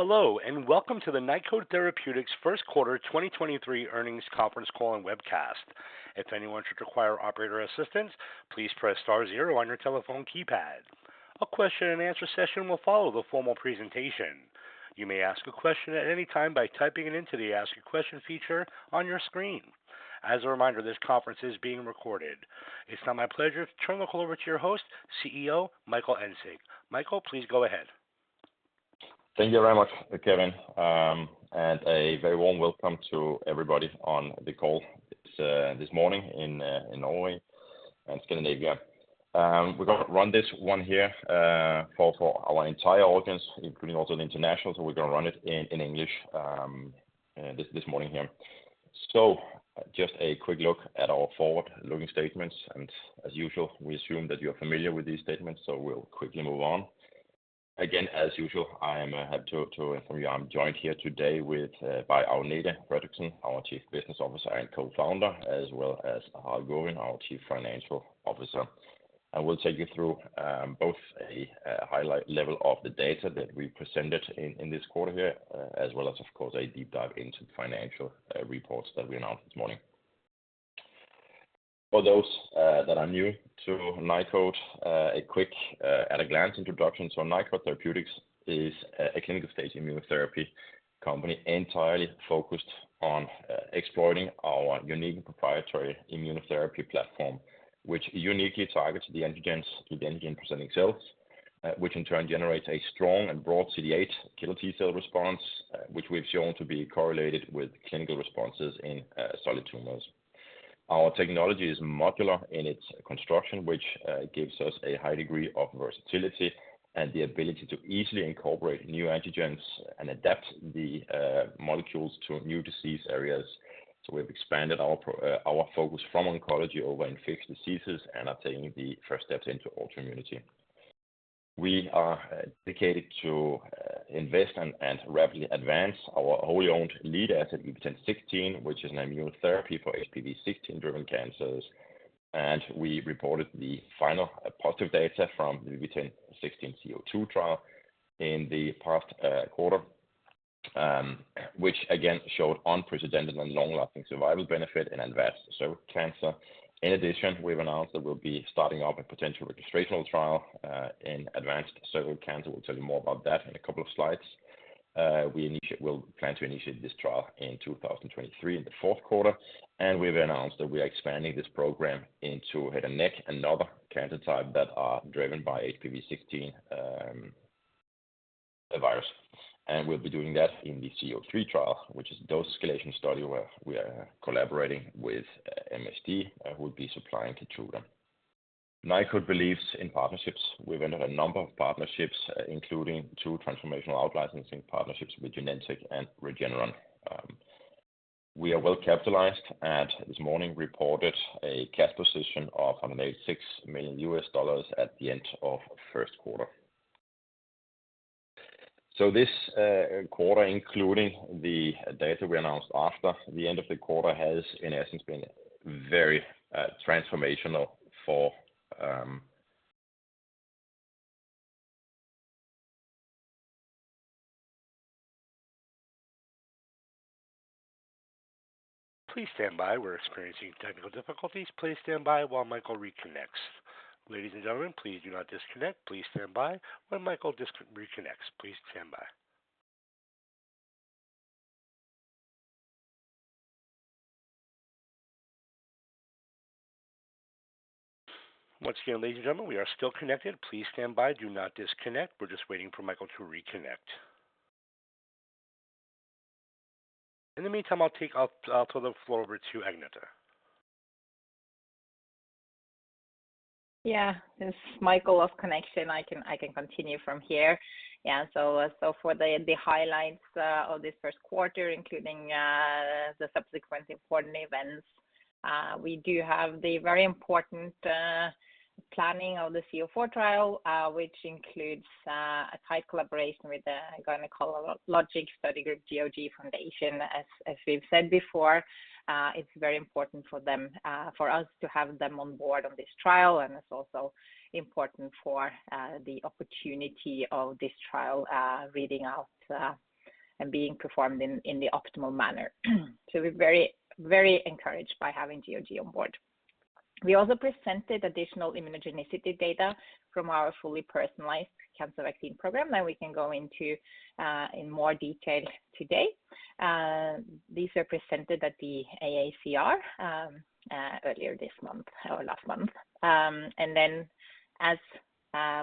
Hello and welcome to the Nykode Therapeutics first quarter 2023 earnings conference call and webcast. If anyone should require operator assistance, please press star zero on your telephone keypad. A question-and-answer session will follow the formal presentation. You may ask a question at any time by typing it into the ask a question feature on your screen. As a reminder, this conference is being recorded. It's now my pleasure to turn the call over to your host, CEO Michael Engsig. Michael, please go ahead. Thank you very much, Kevin, and a very warm welcome to everybody on the call this morning in Norway and Scandinavia. We're gonna run this one here for our entire audience, including also the international. We're gonna run it in English this morning here. Just a quick look at our forward-looking statements. As usual, we assume that you're familiar with these statements. We'll quickly move on. Again, as usual, I am happy to inform you I'm joined here today by Agnete Fredriksen, our Chief Business Officer and Co-founder, as well as Harald Gurvin, our Chief Financial Officer. I will take you through, both a highlight level of the data that we presented in this quarter here, as well as of course a deep dive into the financial reports that we announced this morning. For those that are new to Nykode, a quick at a glance introduction. Nykode Therapeutics is a clinical stage immunotherapy company entirely focused on exploiting our unique proprietary immunotherapy platform, which uniquely targets the antigens to the antigen presenting cells, which in turn generates a strong and broad CD8+ killer T-cell response, which we've shown to be correlated with clinical responses in solid tumors. Our technology is modular in its construction, which gives us a high degree of versatility and the ability to easily incorporate new antigens and adapt the molecules to new disease areas. We've expanded our focus from oncology over in fixed diseases and are taking the first steps into autoimmunity. We are dedicated to invest and rapidly advance our wholly owned lead asset, VB10.16, which is an immunotherapy for HPV-16 driven cancers. We reported the final positive data from VB10.16 VB-C-02 trial in the past quarter, which again showed unprecedented and long-lasting survival benefit in advanced cervical cancer. In addition, we've announced that we'll be starting up a potential registrational trial in advanced cervical cancer. We'll tell you more about that in a couple of slides. We'll plan to initiate this trial in 2023 in the fourth quarter, we've announced that we are expanding this program into head and neck, another cancer type that are driven by HPV-16 virus. We'll be doing that in the C-03 trial, which is a dose escalation study where we are collaborating with MSD, who will be supplying Keytruda. Nykode believes in partnerships. We've entered a number of partnerships including two transformational out-licensing partnerships with Genentech and Regeneron. We are well capitalized and this morning reported a cash position of $186 million at the end of first quarter. This quarter, including the data we announced after the end of the quarter, has in essence been very transformational for. Please stand by. We're experiencing technical difficulties. Please stand by while Michael reconnects. Ladies and gentlemen, please do not disconnect. Please stand by when Michael reconnects. Please stand by. Once again, ladies and gentlemen, we are still connected. Please stand by. Do not disconnect. We're just waiting for Michael to reconnect. In the meantime, I'll turn the floor over to Agnete. Yeah. Since Michael lost connection, I can continue from here. Yeah. For the highlights of this first quarter, including the subsequent important events, we do have the very important planning of the VB-C-04 trial, which includes a tight collaboration with the Gynecologic Oncology Group GOG Foundation. As we've said before, it's very important for them, for us to have them on board on this trial, and it's also important for the opportunity of this trial reading out and being performed in the optimal manner. We're very encouraged by having GOG on board. We also presented additional immunogenicity data from our fully personalized cancer vaccine program that we can go into in more detail today. These were presented at the AACR earlier this month or last month. As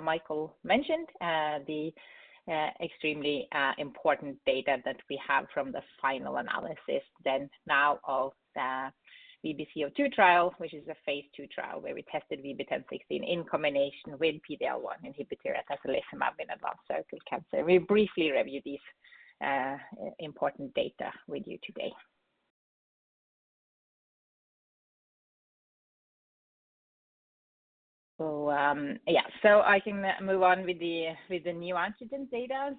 Michael mentioned, the extremely important data that we have from the final analysis of the VB-C-02 trial, which is a phase II trial where we tested VB10.16 in combination with PD-L1 inhibitor atezolizumab in advanced cervical cancer. We'll briefly review these important data with you today. I can move on with the neoantigen data.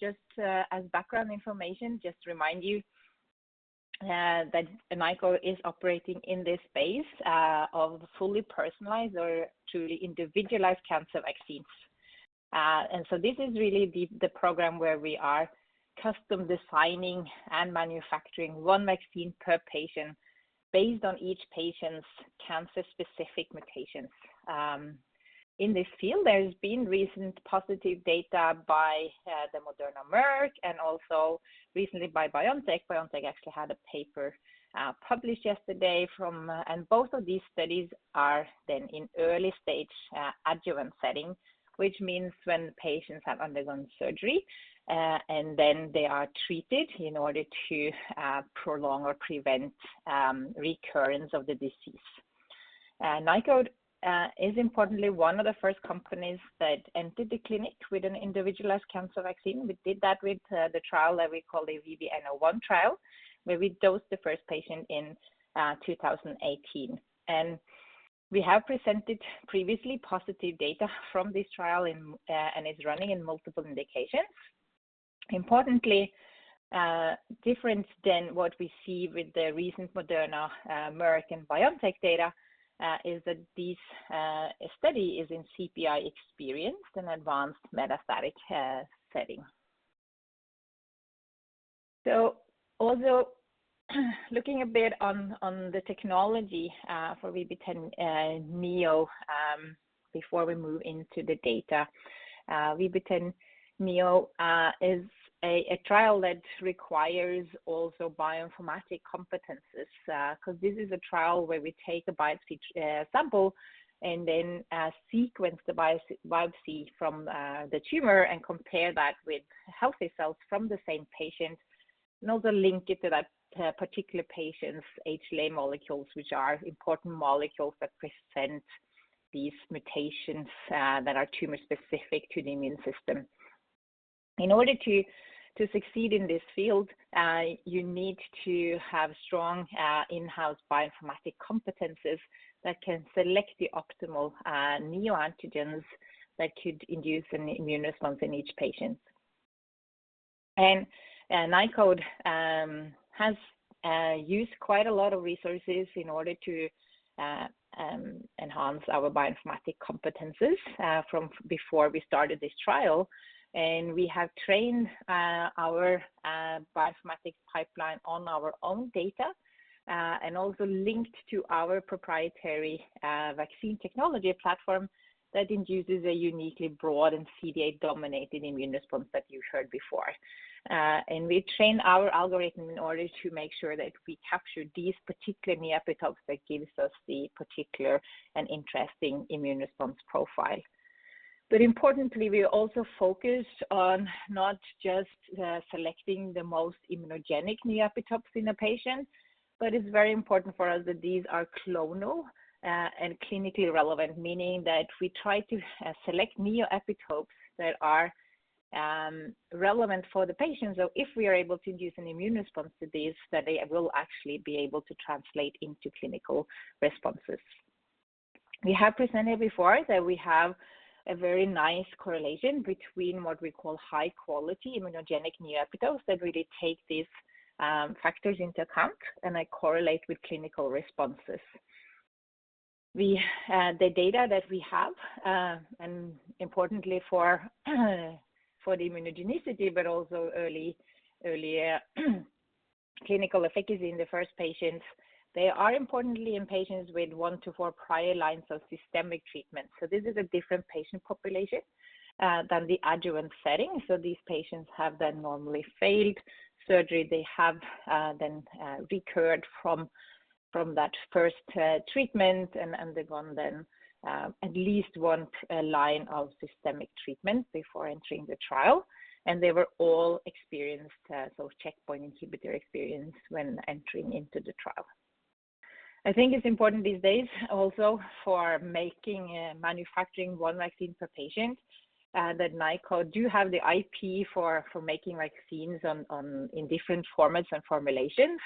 Just as background information, just to remind you that Nykode is operating in this space of fully personalized or truly individualized cancer vaccines. This is really the program where we are custom-designing and manufacturing one vaccine per patient based on each patient's cancer-specific mutations. In this field, there's been recent positive data by the Moderna-Merck and also recently by BioNTech. BioNTech actually had a paper published yesterday from. Both of these studies are then in early stage adjuvant settings, which means when patients have undergone surgery, and then they are treated in order to prolong or prevent recurrence of the disease. Nykode is importantly one of the first companies that entered the clinic with an individualized cancer vaccine. We did that with the trial that we call the VB-N-01 trial, where we dosed the first patient in 2018. We have presented previously positive data from this trial in, and it's running in multiple indications. Importantly, different than what we see with the recent Moderna, Merck, and BioNTech data, is that this study is in CPI-experienced and advanced metastatic setting. Also looking a bit on the technology for VB10.NEO, before we move into the data. VB10.NEO is a trial that requires also bioinformatic competences, because this is a trial where we take a biopsy sample and then, sequence the biopsy from the tumor and compare that with healthy cells from the same patient, and also link it to that particular patient's HLA molecules, which are important molecules that present these mutations that are tumor-specific to the immune system. In order to succeed in this field, you need to have strong in-house bioinformatic competences that can select the optimal neoantigens that could induce an immune response in each patient. Nykode has used quite a lot of resources in order to enhance our bioinformatic competences from before we started this trial. We have trained our bioinformatic pipeline on our own data and also linked to our proprietary Vaccibody technology platform that induces a uniquely broad and CD8-dominated immune response that you heard before. We train our algorithm in order to make sure that we capture these particular neoepitopes that gives us the particular and interesting immune response profile. Importantly, we also focus on not just selecting the most immunogenic neoepitopes in a patient, but it's very important for us that these are clonal and clinically relevant, meaning that we try to select neoepitopes that are relevant for the patient. If we are able to induce an immune response to these, that they will actually be able to translate into clinical responses. We have presented before that we have a very nice correlation between what we call high-quality immunogenic neoepitopes that really take these factors into account, and they correlate with clinical responses. We, the data that we have, and importantly for the immunogenicity but also early clinical efficacy in the first patients, they are importantly in patients with 1-4-prior lines of systemic treatment. This is a different patient population than the adjuvant setting. These patients have then normally failed surgery. They have then recurred from that first treatment and undergone then at least one line of systemic treatment before entering the trial. They were all experienced checkpoint inhibitor experience when entering into the trial. I think it's important these days also for making and manufacturing one vaccine per patient that Nykode do have the IP for making vaccines on in different formats and formulations.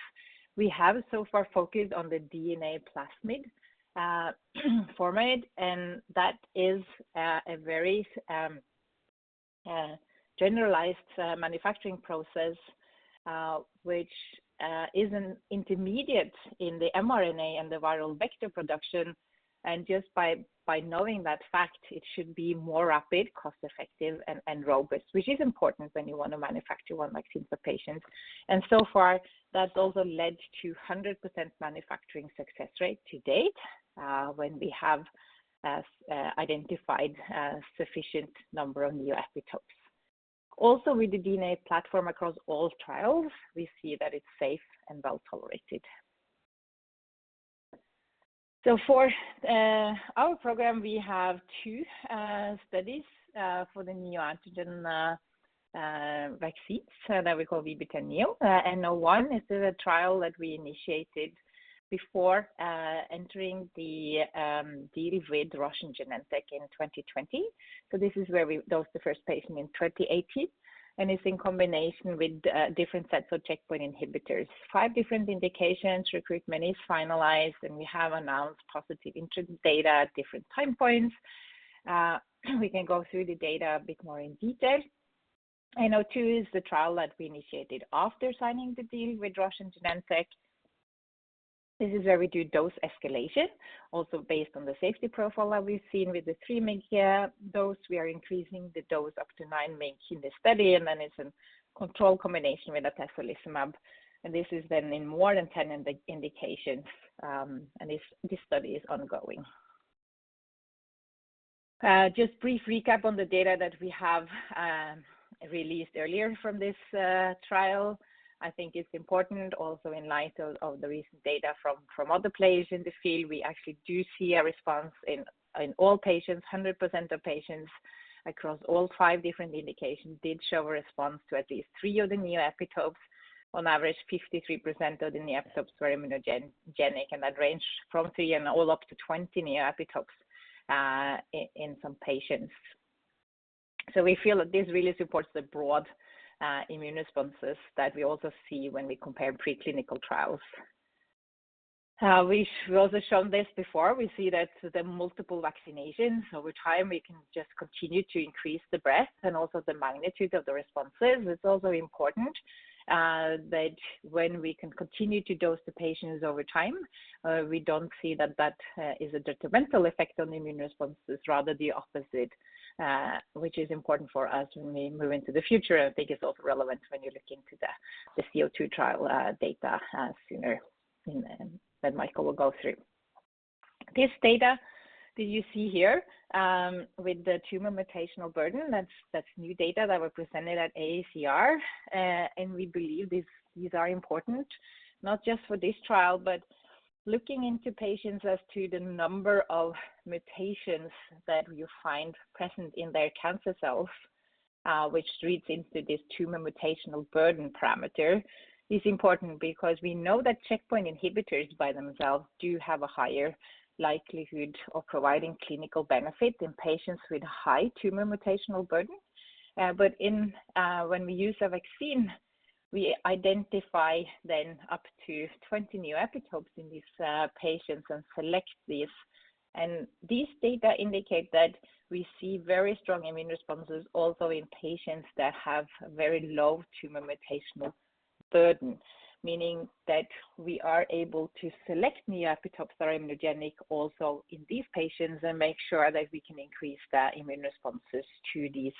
We have so far focused on the DNA plasmid format, and that is a very generalized manufacturing process which is an intermediate in the mRNA and the viral vector production. Just by knowing that fact, it should be more rapid, cost-effective, and robust, which is important when you want to manufacture one vaccine per patient. So far, that's also led to 100% manufacturing success rate to date, when we have identified a sufficient number of neoepitopes. With the DNA platform across all trials, we see that it's safe and well-tolerated. For our program, we have two studies for the neoantigen vaccines that we call VB10.NEO. VB-N-01 is the trial that we initiated before entering the deal with Roche and Genentech in 2020. This is where we dosed the first patient in 2018, and it's in combination with different sets of checkpoint inhibitors. Five different indications, recruitment is finalized, and we have announced positive interim data at different time points. We can go through the data a bit more in detail. VB-N-02 is the trial that we initiated after signing the deal with Roche and Genentech. This is where we do dose escalation, also based on the safety profile that we've seen with the 3 mg here dose. We are increasing the dose up to 9 mg in the study, then it's in control combination with atezolizumab. This is then in more than 10 indications, and this study is ongoing. Just brief recap on the data that we have released earlier from this trial. I think it's important also in light of the recent data from other players in the field. We actually do see a response in all patients. 100% of patients across all 5 different indications did show a response to at least 3 of the neoepitopes. On average, 53% of the neoepitopes were immunogen-genic, and that ranged from 3 and all up to 20 neoepitopes in some patients. We feel that this really supports the broad immune responses that we also see when we compare preclinical trials. We've also shown this before. We see that the multiple vaccinations, over time we can just continue to increase the breadth and also the magnitude of the responses. It's also important that when we can continue to dose the patients over time, we don't see that is a detrimental effect on the immune responses, rather the opposite, which is important for us when we move into the future, and I think it's also relevant when you're looking to the VB-C-02 trial data, sooner that Michael will go through. This data that you see here, with the tumor mutational burden, that's new data that were presented at AACR. We believe these are important not just for this trial, but looking into patients as to the number of mutations that you find present in their cancer cells, which reads into this tumor mutational burden parameter, is important because we know that checkpoint inhibitors by themselves do have a higher likelihood of providing clinical benefit in patients with high tumor mutational burden. But in when we use a vaccine, we identify then up to 20 neoepitopes in these patients and select these. These data indicate that we see very strong immune responses also in patients that have very low tumor mutational burden, meaning that we are able to select neoepitopes that are immunogenic also in these patients and make sure that we can increase the immune responses to these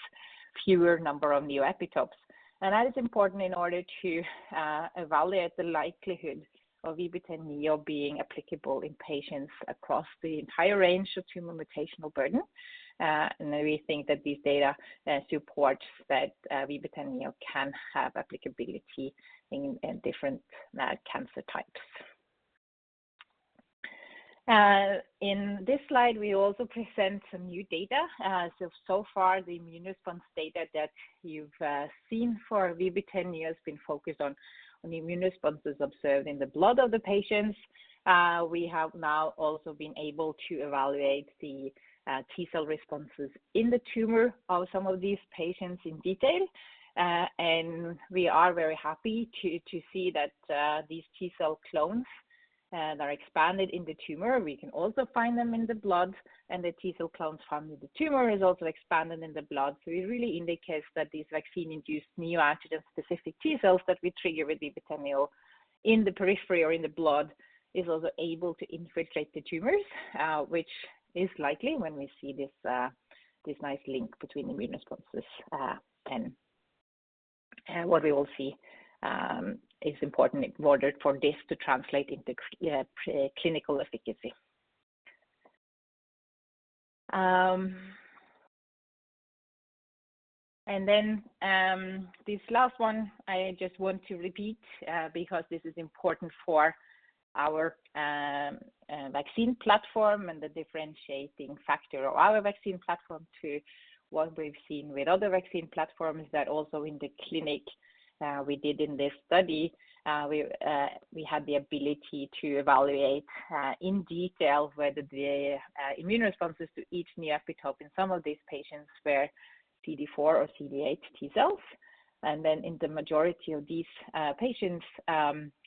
fewer number of neoepitopes. That is important in order to evaluate the likelihood of VB10.NEO being applicable in patients across the entire range of tumor mutational burden. We think that these data supports that VB10.NEO can have applicability in different cancer types. In this slide we also present some new data. So far the immune response data that you've seen for VB10.NEO has been focused on immune responses observed in the blood of the patients. We have now also been able to evaluate the T cell responses in the tumor of some of these patients in detail. We are very happy to see that these T cell clones that are expanded in the tumor, we can also find them in the blood, and the T cell clones found in the tumor is also expanded in the blood. It really indicates that these vaccine-induced neoantigen-specific T cells that we trigger with VB10.NEO in the periphery or in the blood is also able to infiltrate the tumors, which is likely when we see this nice link between immune responses and what we will see is important in order for this to translate into clinical efficacy. This last one I just want to repeat, because this is important for our vaccine platform and the differentiating factor of our vaccine platform to what we've seen with other vaccine platforms that also in the clinic, we did in this study, we had the ability to evaluate in detail whether the immune responses to each neoepitope in some of these patients were CD4 or CD8 T cells. In the majority of these patients,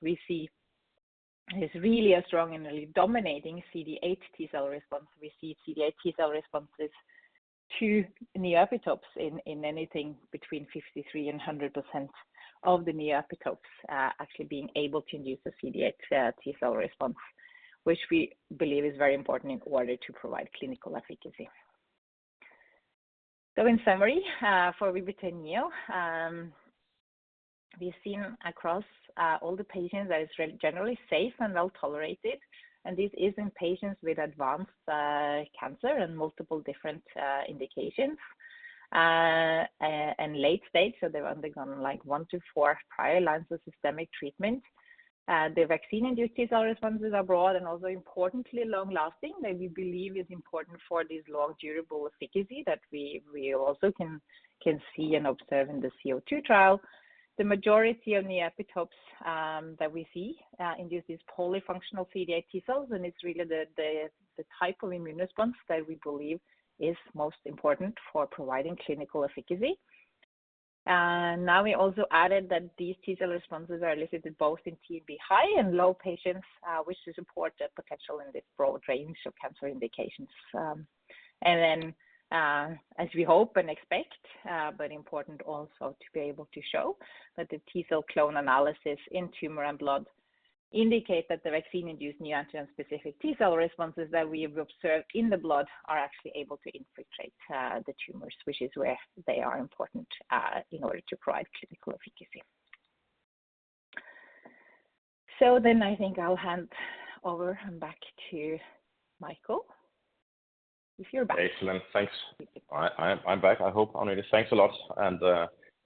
we see is really a strong and really dominating CD8 T cell response. We see CD8 T cell responses to neoepitopes in anything between 53 and 100% of the neoepitopes, actually being able to induce a CD8 T cell response, which we believe is very important in order to provide clinical efficacy. In summary, for VB10.NEO, we've seen across all the patients that is generally safe and well-tolerated, and this is in patients with advanced cancer and multiple different indications and late stage, so they've undergone like 1-4-prior lines of systemic treatment. The vaccine-induced T-cell responses are broad and also importantly long-lasting that we believe is important for this long durable efficacy that we also can see and observe in the VB-C-02 trial. The majority of neoepitopes that we see induce these polyfunctional CD8 T-cells, and it's really the type of immune response that we believe is most important for providing clinical efficacy. Now we also added that these T cell responses are elicited both in TMB high and low patients, which support the potential in this broad range of cancer indications. As we hope and expect, but important also to be able to show that the T cell clone analysis in tumor and blood indicate that the vaccine induced neoantigen specific T cell responses that we have observed in the blood are actually able to infiltrate the tumors, which is where they are important in order to provide clinical efficacy. I think I'll hand over and back to Michael, if you're back. Excellent. Thanks. I'm back. I hope, Agnete. Thanks a lot. I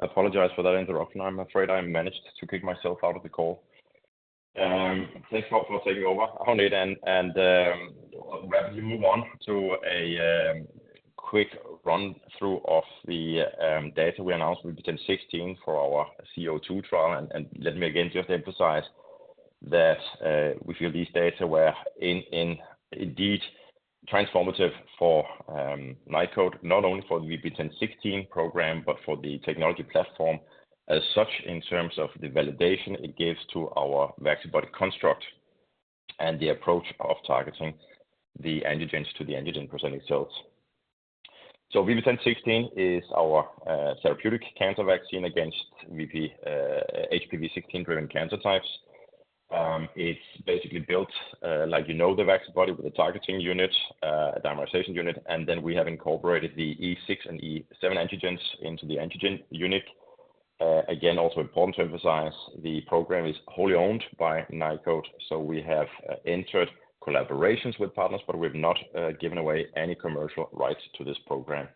apologize for that interruption. I'm afraid I managed to kick myself out of the call. Thanks for taking over, Agnete, and perhaps we move on to a quick run through of the data we announced with VB10.16 for our VB-C-02 trial. Let me again just emphasize that we feel these data were indeed transformative for Nykode, not only for the VB10.16 program, but for the technology platform as such in terms of the validation it gives to our Vaccibody construct and the approach of targeting the antigens to the antigen presenting cells. VB10.16 is our therapeutic cancer vaccine against HPV-16 driven cancer types. It's basically built, like, you know, the Vaccibody with a targeting unit, a dimerization unit, and then we have incorporated the E6 and E7 antigens into the antigen unit. Again, also important to emphasize the program is wholly owned by Nykode. We have entered collaborations with partners, but we have not given away any commercial rights to this program.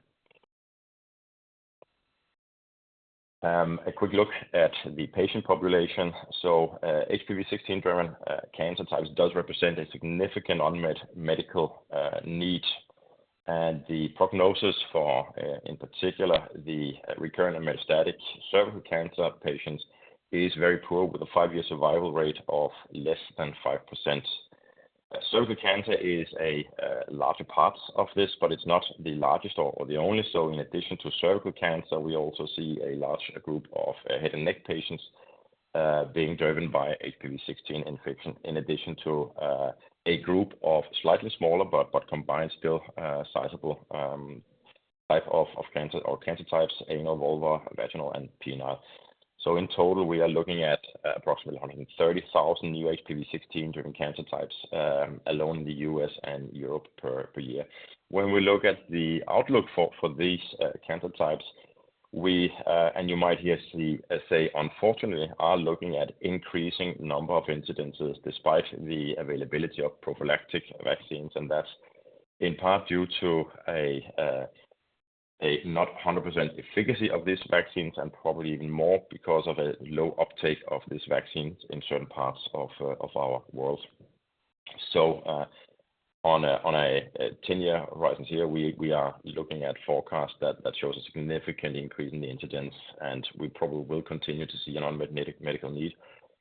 A quick look at the patient population. HPV-16 driven cancer types does represent a significant unmet medical need. The prognosis for in particular the recurrent and metastatic cervical cancer patients is very poor with a 5-year survival rate of less than 5%. Cervical cancer is a larger part of this, but it's not the largest or the only. In addition to cervical cancer, we also see a large group of head and neck patients being driven by HPV-16 infection, in addition to a group of slightly smaller but combined still sizable type of cancer or cancer types, anal, vulva, vaginal and penile. In total, we are looking at approximately 130,000 new HPV-16 driven cancer types alone in the U.S. and Europe per year. When we look at the outlook for these cancer types, we, and you might hear us say unfortunately, are looking at increasing number of incidences despite the availability of prophylactic vaccines. That's in part due to a not 100% efficacy of these vaccines and probably even more because of a low uptake of these vaccines in certain parts of our world. On a 10-year horizon here, we are looking at forecasts that shows a significant increase in the incidence, and we probably will continue to see an unmet medical need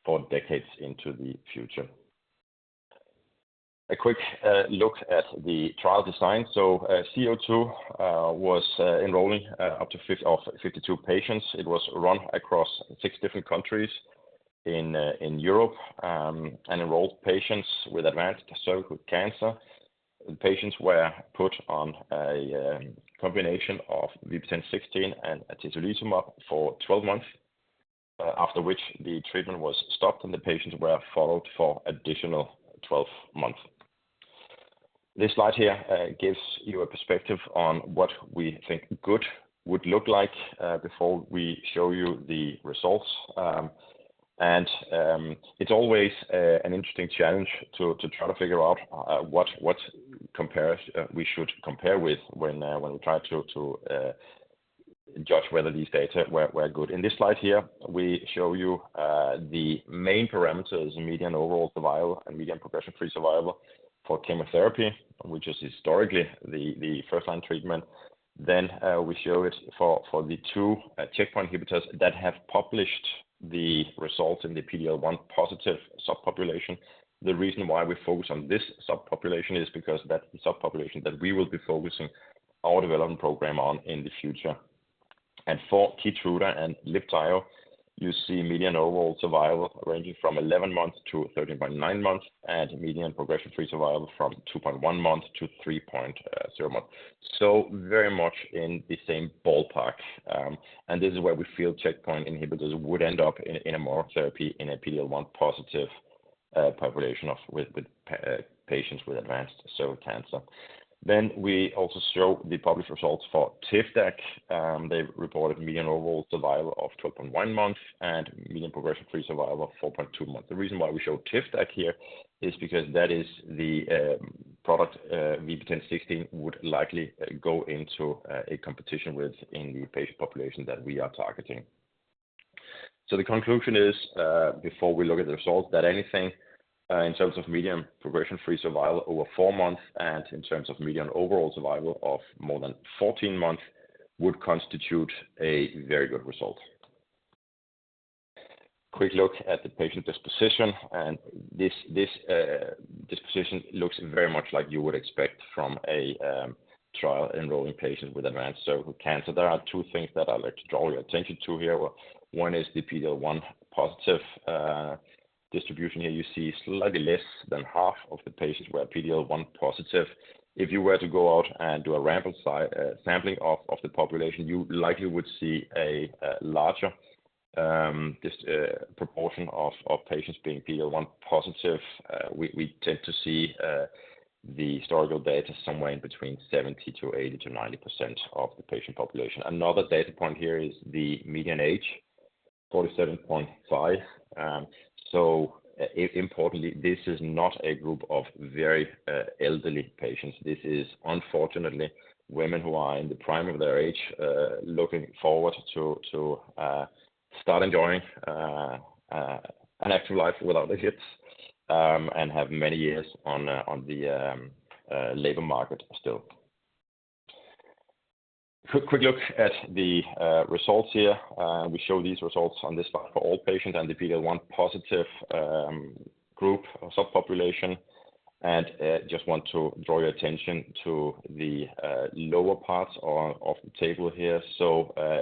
for decades into the future. A quick look at the trial design. VB-C-02 was enrolling up to 52 patients. It was run across 6 different countries in Europe and enrolled patients with advanced cervical cancer. The patients were put on a combination of VB10.16 and atezolizumab for 12 months, after which the treatment was stopped, and the patients were followed for additional 12 months. This slide here gives you a perspective on what we think good would look like before we show you the results. It's always an interesting challenge to try to figure out what compares we should compare with when we try to judge whether these data were good. In this slide here, we show you the main parameters, median overall survival and median progression-free survival for chemotherapy, which is historically the first line treatment. We show it for the two checkpoint inhibitors that have published the results in the PD-L1 positive subpopulation. The reason why we focus on this subpopulation is because that's the subpopulation that we will be focusing our development program on in the future. For Keytruda and Libtayo, you see median overall survival ranging from 11 months to 13.9 months and median progression-free survival from 2.1 months to 3.0 months. Very much in the same ballpark. This is where we feel checkpoint inhibitors would end up in a monotherapy in a PD-L1 positive population of patients with advanced cervical cancer. We also show the published results for Tivdak. They've reported median overall survival of 12.1 months and median progression-free survival of 4.2 months. The reason why we show Tivdak here is because that is the product VB10.16 would likely go into a competition with in the patient population that we are targeting. The conclusion is, before we look at the results, that anything in terms of median progression-free survival over four months and in terms of median overall survival of more than 14 months would constitute a very good result. Quick look at the patient disposition, this disposition looks very much like you would expect from a trial enrolling patient with advanced cervical cancer. There are two things that I'd like to draw your attention to here. One is the PD-L1 positive distribution. Here you see slightly less than half of the patients were PD-L1 positive. If you were to go out and do a random sampling of the population, you likely would see a larger proportion of patients being PD-L1 positive, we tend to see the historical data somewhere in between 70%-80%-90% of the patient population. Another data point here is the median age, 47.5. Importantly, this is not a group of very elderly patients. This is unfortunately women who are in the prime of their age, looking forward to start enjoying an active life without the kids, and have many years on the labor market still. Quick look at the results here. We show these results on this slide for all patients and the PD-L1 positive group or subpopulation. Just want to draw your attention to the lower parts of the table here.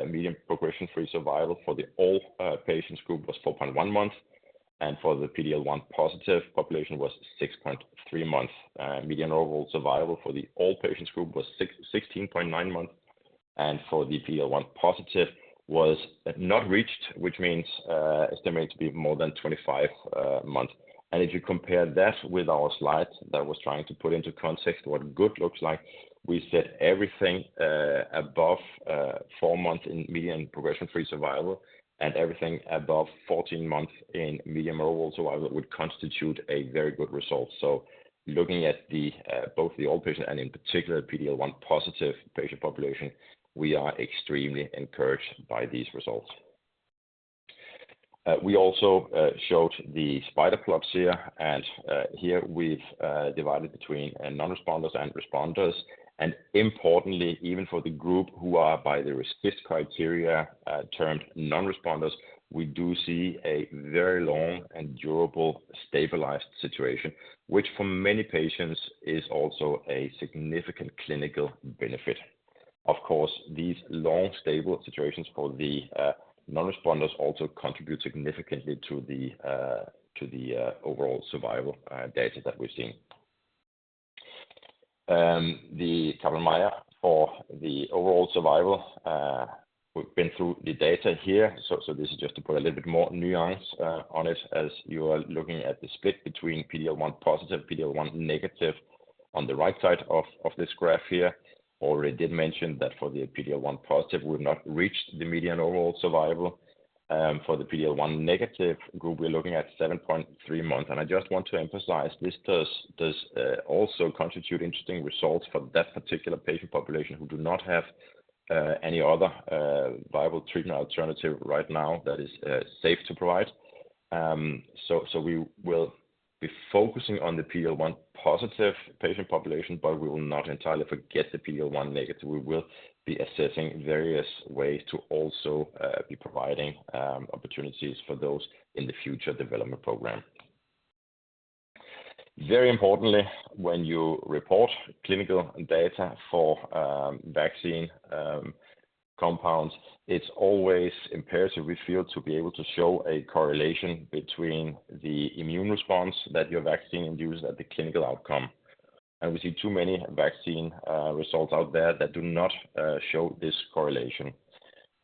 Median progression-free survival for the all patients group was 4.1 months, and for the PD-L1 positive population was 6.3 months. Median overall survival for the all patients group was 16.9 months, and for the PD-L1 positive was not reached, which means estimated to be more than 25 months. If you compare that with our slides that was trying to put into context what good looks like, we said everything above four months in median progression-free survival and everything above 14 months in median overall survival would constitute a very good result. Looking at the both the all patient and in particular PD-L1 positive patient population, we are extremely encouraged by these results. We also showed the spider plots here, and here we've divided between non-responders and responders. Importantly, even for the group who are by the Response criteria, termed non-responders, we do see a very long and durable stabilized situation, which for many patients is also a significant clinical benefit. Of course, these long, stable situations for the non-responders also contribute significantly to the overall survival data that we're seeing. The Kaplan-Meier for the overall survival, we've been through the data here, so this is just to put a little bit more nuance on it as you are looking at the split between PD-L1 positive, PD-L1 negative on the right side of this graph here. Already did mention that for the PD-L1 positive, we've not reached the median overall survival. For the PD-L1 negative group, we're looking at 7.3 months. I just want to emphasize this does also constitute interesting results for that particular patient population who do not have any other viable treatment alternative right now that is safe to provide. We will be focusing on the PD-L1 positive patient population, but we will not entirely forget the PD-L1 negative. We will be assessing various ways to also be providing opportunities for those in the future development program. Very importantly, when you report clinical data for vaccine compounds, it's always imperative, we feel, to be able to show a correlation between the immune response that your vaccine induced at the clinical outcome. We see too many vaccine results out there that do not show this correlation.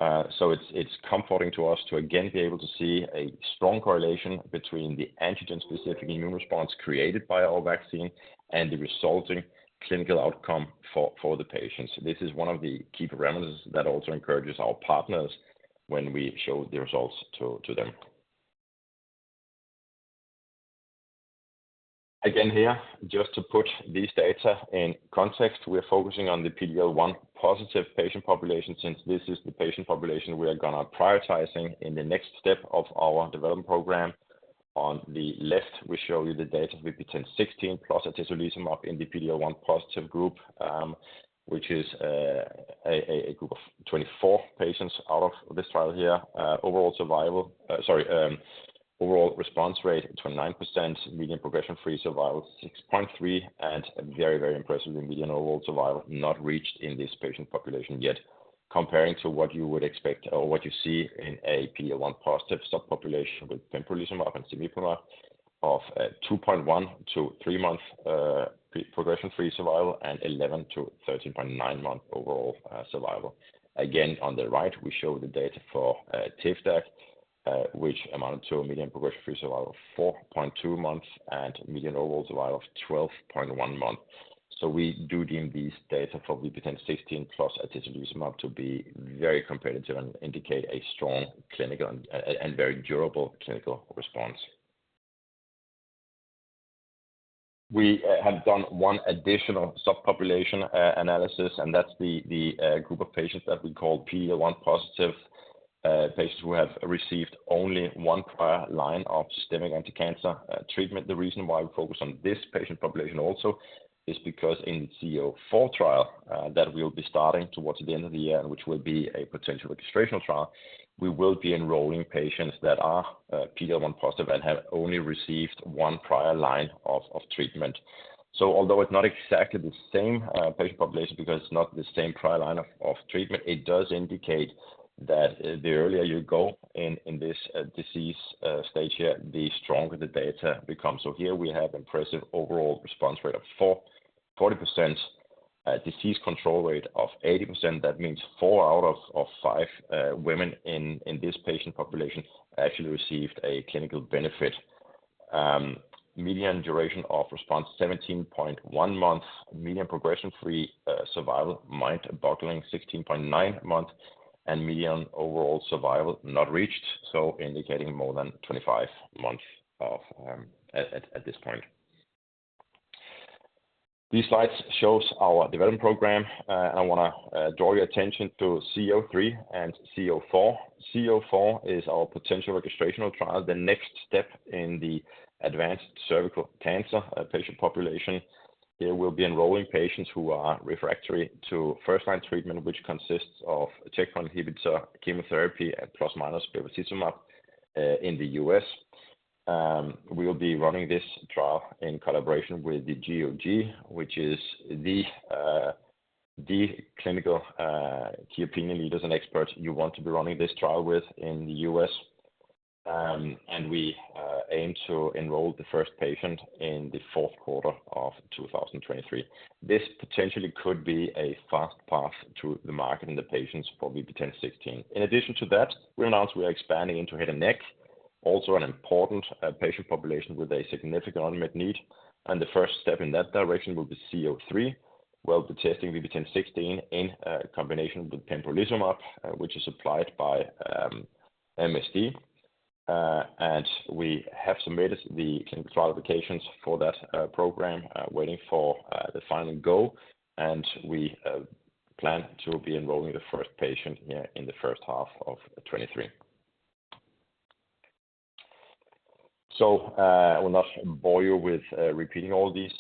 It's comforting to us to again be able to see a strong correlation between the antigen-specific immune response created by our vaccine and the resulting clinical outcome for the patients. This is one of the key parameters that also encourages our partners when we show the results to them. Again here, just to put this data in context, we are focusing on the PD-L1 positive patient population since this is the patient population we are gonna prioritizing in the next step of our development program. On the left, we show you the data for VB10.16+ atezolizumab in the PD-L1 positive group, which is a group of 24 patients out of this trial here. Overall response rate, 29%. Median progression-free survival, 6.3. Very impressively, median overall survival not reached in this patient population yet. Comparing to what you would expect or what you see in a PD-L1 positive subpopulation with pembrolizumab and cemiplimab of 2.1-3-month progression-free survival and 11-13.9-month overall survival. On the right, we show the data for Tivdak, which amounted to a median progression-free survival of 4.2 months and median overall survival of 12.1 months. We do deem these data for VB10.16 plus atezolizumab to be very competitive and indicate a strong clinical and very durable clinical response. We have done one additional subpopulation analysis, and that's the group of patients that we call PD-L1 positive patients who have received only one prior line of systemic anticancer treatment. The reason why we focus on this patient population also is because in VB-C-04 trial that we'll be starting towards the end of the year, which will be a potential registrational trial, we will be enrolling patients that are PD-L1 positive and have only received one prior line of treatment. Although it's not exactly the same patient population because it's not the same prior line of treatment, it does indicate that the earlier you go in this disease stage here, the stronger the data becomes. Here we have impressive overall response rate of 40%. A disease control rate of 80%, that means four out of five women in this patient population actually received a clinical benefit. Median duration of response 17.1 months. Median progression-free survival, mind-boggling 16.9 months. Median overall survival not reached, so indicating more than 25 months at this point. These slides shows our development program. I wanna draw your attention to CO 3 and CO 4. VB-C-04 is our potential registrational trial, the next step in the advanced cervical cancer patient population. It will be enrolling patients who are refractory to first-line treatment, which consists of a checkpoint inhibitor chemotherapy ± bevacizumab in the U.S. We will be running this trial in collaboration with the GOG, which is the clinical key opinion leaders and experts you want to be running this trial with in the U.S. We aim to enroll the first patient in the fourth quarter of 2023. This potentially could be a fast path to the market and the patients for VB10.16. In addition to that, we announced we are expanding into head and neck, also an important patient population with a significant unmet need. The first step in that direction will be VB-C-03. We'll be testing VB10.16 in combination with pembrolizumab, which is applied by MSD. We have submitted the clinical trial applications for that program, waiting for the final go. We plan to be enrolling the first patient here in the first half of 2023. I will not bore you with repeating all these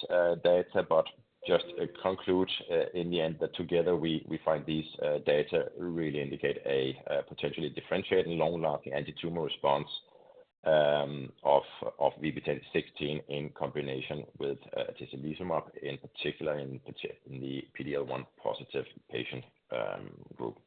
data, but just conclude in the end that together we find these data really indicate a potentially differentiating long-lasting antitumor response of VB10.16 in combination with atezolizumab, in particular in the PD-L1 positive patient group.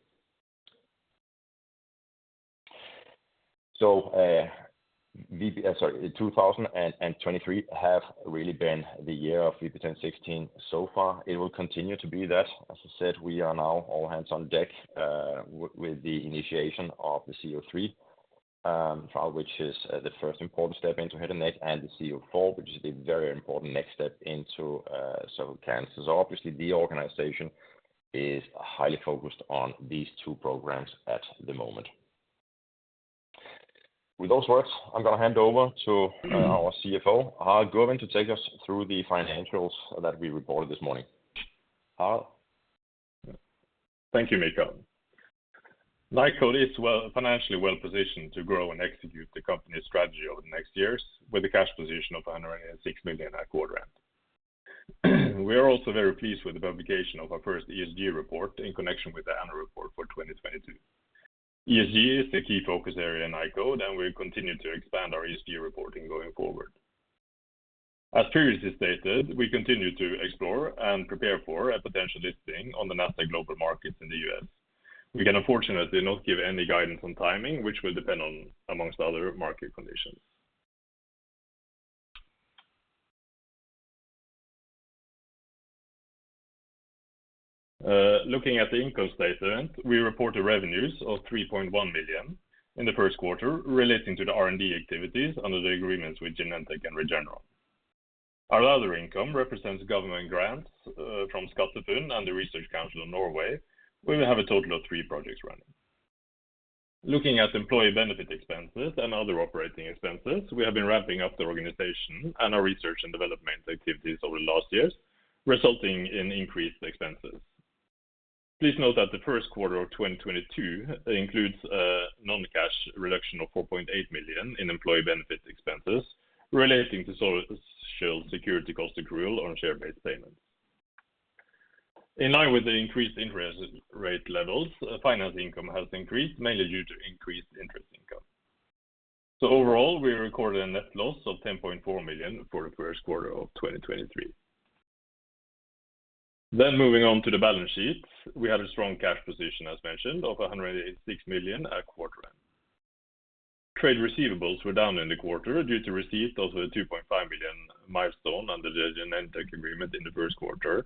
2023 have really been the year of VB10.16 so far. It will continue to be that. As I said, we are now all hands on deck, with the initiation of the CO three trial, which is the first important step into head and neck, and the CO four, which is the very important next step into cervical cancer. Obviously the organization is highly focused on these two programs at the moment. With those words, I'm gonna hand over to our CFO, Harald Gurvin, to take us through the financials that we reported this morning. Harald? Thank you, Michael. Nykode is well, financially well-positioned to grow and execute the company's strategy over the next years with a cash position of 106 million at quarter end. We are also very pleased with the publication of our first ESG report in connection with the annual report for 2022. ESG is the key focus area in Nykode, and we continue to expand our ESG reporting going forward. As previously stated, we continue to explore and prepare for a potential listing on the Nasdaq Global Market in the U.S. We can unfortunately not give any guidance on timing, which will depend on, amongst other, market conditions. Looking at the income statement, we report the revenues of 3.1 million in the first quarter relating to the R&D activities under the agreements with Genentech and Regeneron. Our other income represents government grants from SkatteFUNN and the Research Council of Norway, where we have a total of three projects running. Looking at employee benefit expenses and other operating expenses, we have been ramping up the organization and our research and development activities over the last years, resulting in increased expenses. Please note that the first quarter of 2022 includes a non-cash reduction of $4.8 million in employee benefit expenses relating to Social Security cost accrual on share-based payments. In line with the increased interest rate levels, finance income has increased, mainly due to increased interest income. Overall, we recorded a net loss of $10.4 million for the first quarter of 2023. Moving on to the balance sheet. We have a strong cash position, as mentioned, of $186 million at quarter end. Trade receivables were down in the quarter due to receipt of the 2.5 million milestone under the Genentech agreement in the first quarter,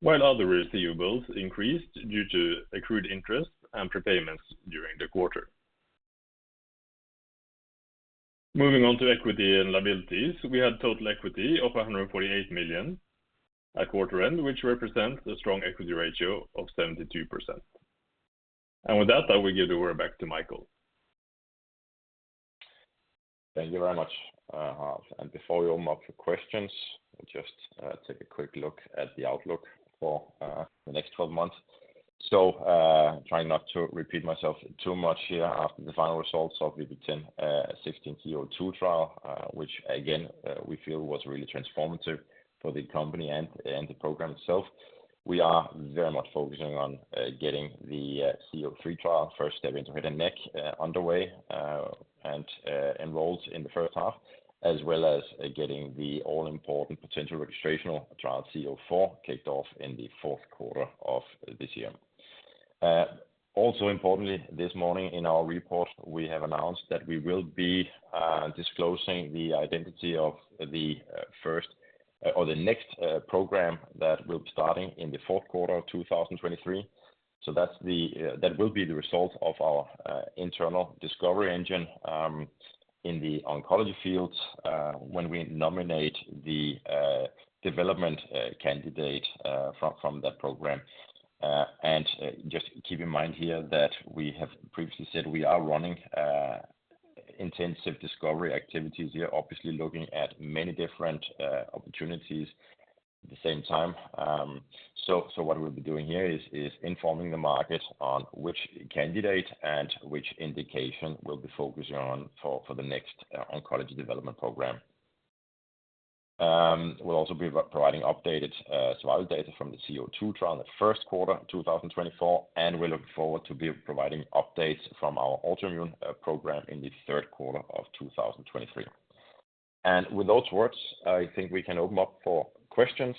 while other receivables increased due to accrued interest and prepayments during the quarter. Moving on to equity and liabilities. We had total equity of 148 million at quarter end, which represents a strong equity ratio of 72%. With that, I will give the word back to Michael. Thank you very much, Harald. Before we open up for questions, we'll just take a quick look at the outlook for the next 12 months. Trying not to repeat myself too much here. After the final results of VB10.16 VB-C-02 trial, which again, we feel was really transformative for the company and the program itself, we are very much focusing on getting the VB-C-03 trial, first step into head and neck, underway, and enrolled in the first half, as well as getting the all-important potential registrational trial VB-C-04 kicked off in the fourth quarter of this year. Also importantly, this morning in our report, we have announced that we will be disclosing the identity of the first or the next program that we're starting in the fourth quarter of 2023. That's the that will be the result of our internal discovery engine in the oncology fields, when we nominate the development candidate from that program. Just keep in mind here that we have previously said we are running intensive discovery activities here, obviously looking at many different opportunities at the same time. What we'll be doing here is informing the market on which candidate and which indication we'll be focusing on for the next oncology development program. We'll also be providing updated survival data from the VB-C-02 trial in the first quarter 2024, and we're looking forward to be providing updates from our autoimmune program in the third quarter of 2023. With those words, I think we can open up for questions.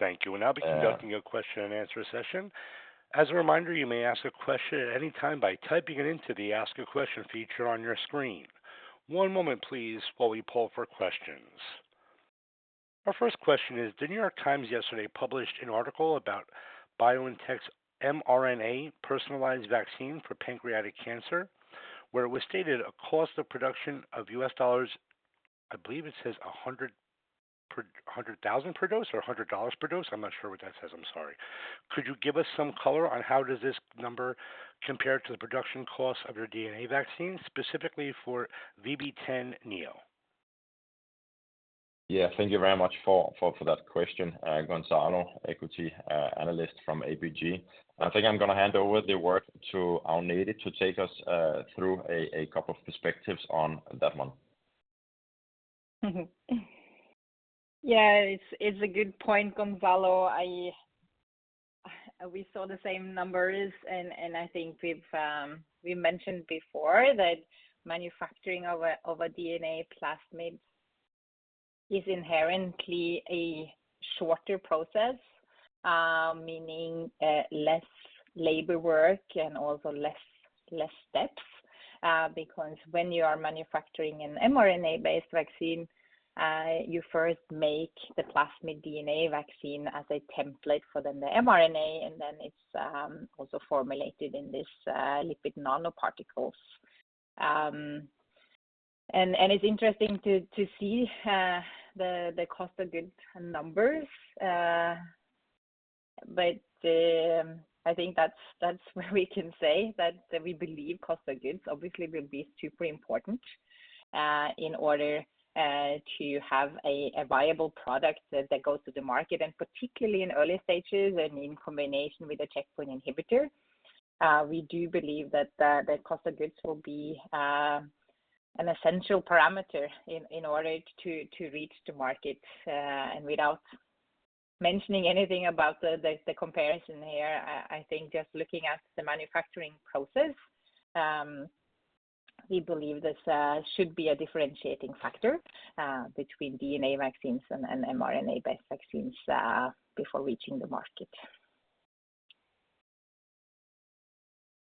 Thank you. We'll now be conducting a question and answer session. As a reminder, you may ask a question at any time by typing it into the Ask a Question feature on your screen. One moment please while we poll for questions. Our first question is, The New York Times yesterday published an article about BioNTech's mRNA personalized vaccine for pancreatic cancer, where it was stated a cost of production of U.S. dollars, I believe it says $100,000 per dose or $100 per dose. I'm not sure what that says. I'm sorry. Could you give us some color on how does this number compare to the production cost of your DNA vaccine, specifically for VB10.NEO? Yeah, thank you very much for that question, Gonzalo, equity analyst from ABG Sundal Collier. I think I'm gonna hand over the work to Agnete to take us through a couple of perspectives on that one. Yeah. It's a good point, Gonzalo Artiach. We saw the same numbers and I think we've mentioned before that manufacturing of a DNA plasmid is inherently a shorter process, meaning less labor work and also less steps. Because when you are manufacturing an mRNA-based vaccine, you first make the plasmid DNA vaccine as a template for then the mRNA, and then it's also formulated in this lipid nanoparticles. It's interesting to see the cost of goods numbers. I think that's where we can say that we believe cost of goods obviously will be super important in order to have a viable product that goes to the market, and particularly in early stages and in combination with a checkpoint inhibitor. We do believe that the cost of goods will be an essential parameter in order to reach the market. Without mentioning anything about the comparison here, I think just looking at the manufacturing process, we believe this should be a differentiating factor between DNA vaccines and mRNA-based vaccines before reaching the market.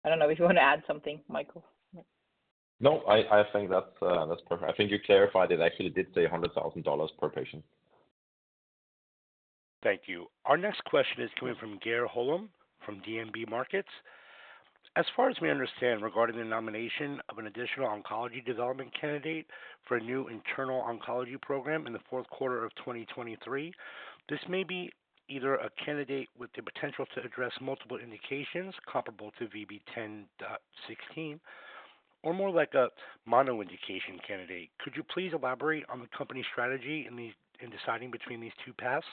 I don't know if you want to add something, Michael. No, I think that's perfect. I think you clarified it actually did say $100,000 per patient. Thank you. Our next question is coming from Geir Håland from DNB Markets. As far as we understand regarding the nomination of an additional oncology development candidate for a new internal oncology program in the fourth quarter of 2023, this may be either a candidate with the potential to address multiple indications comparable to VB ten dot sixteen or more like a mono indication candidate. Could you please elaborate on the company strategy in deciding between these two paths?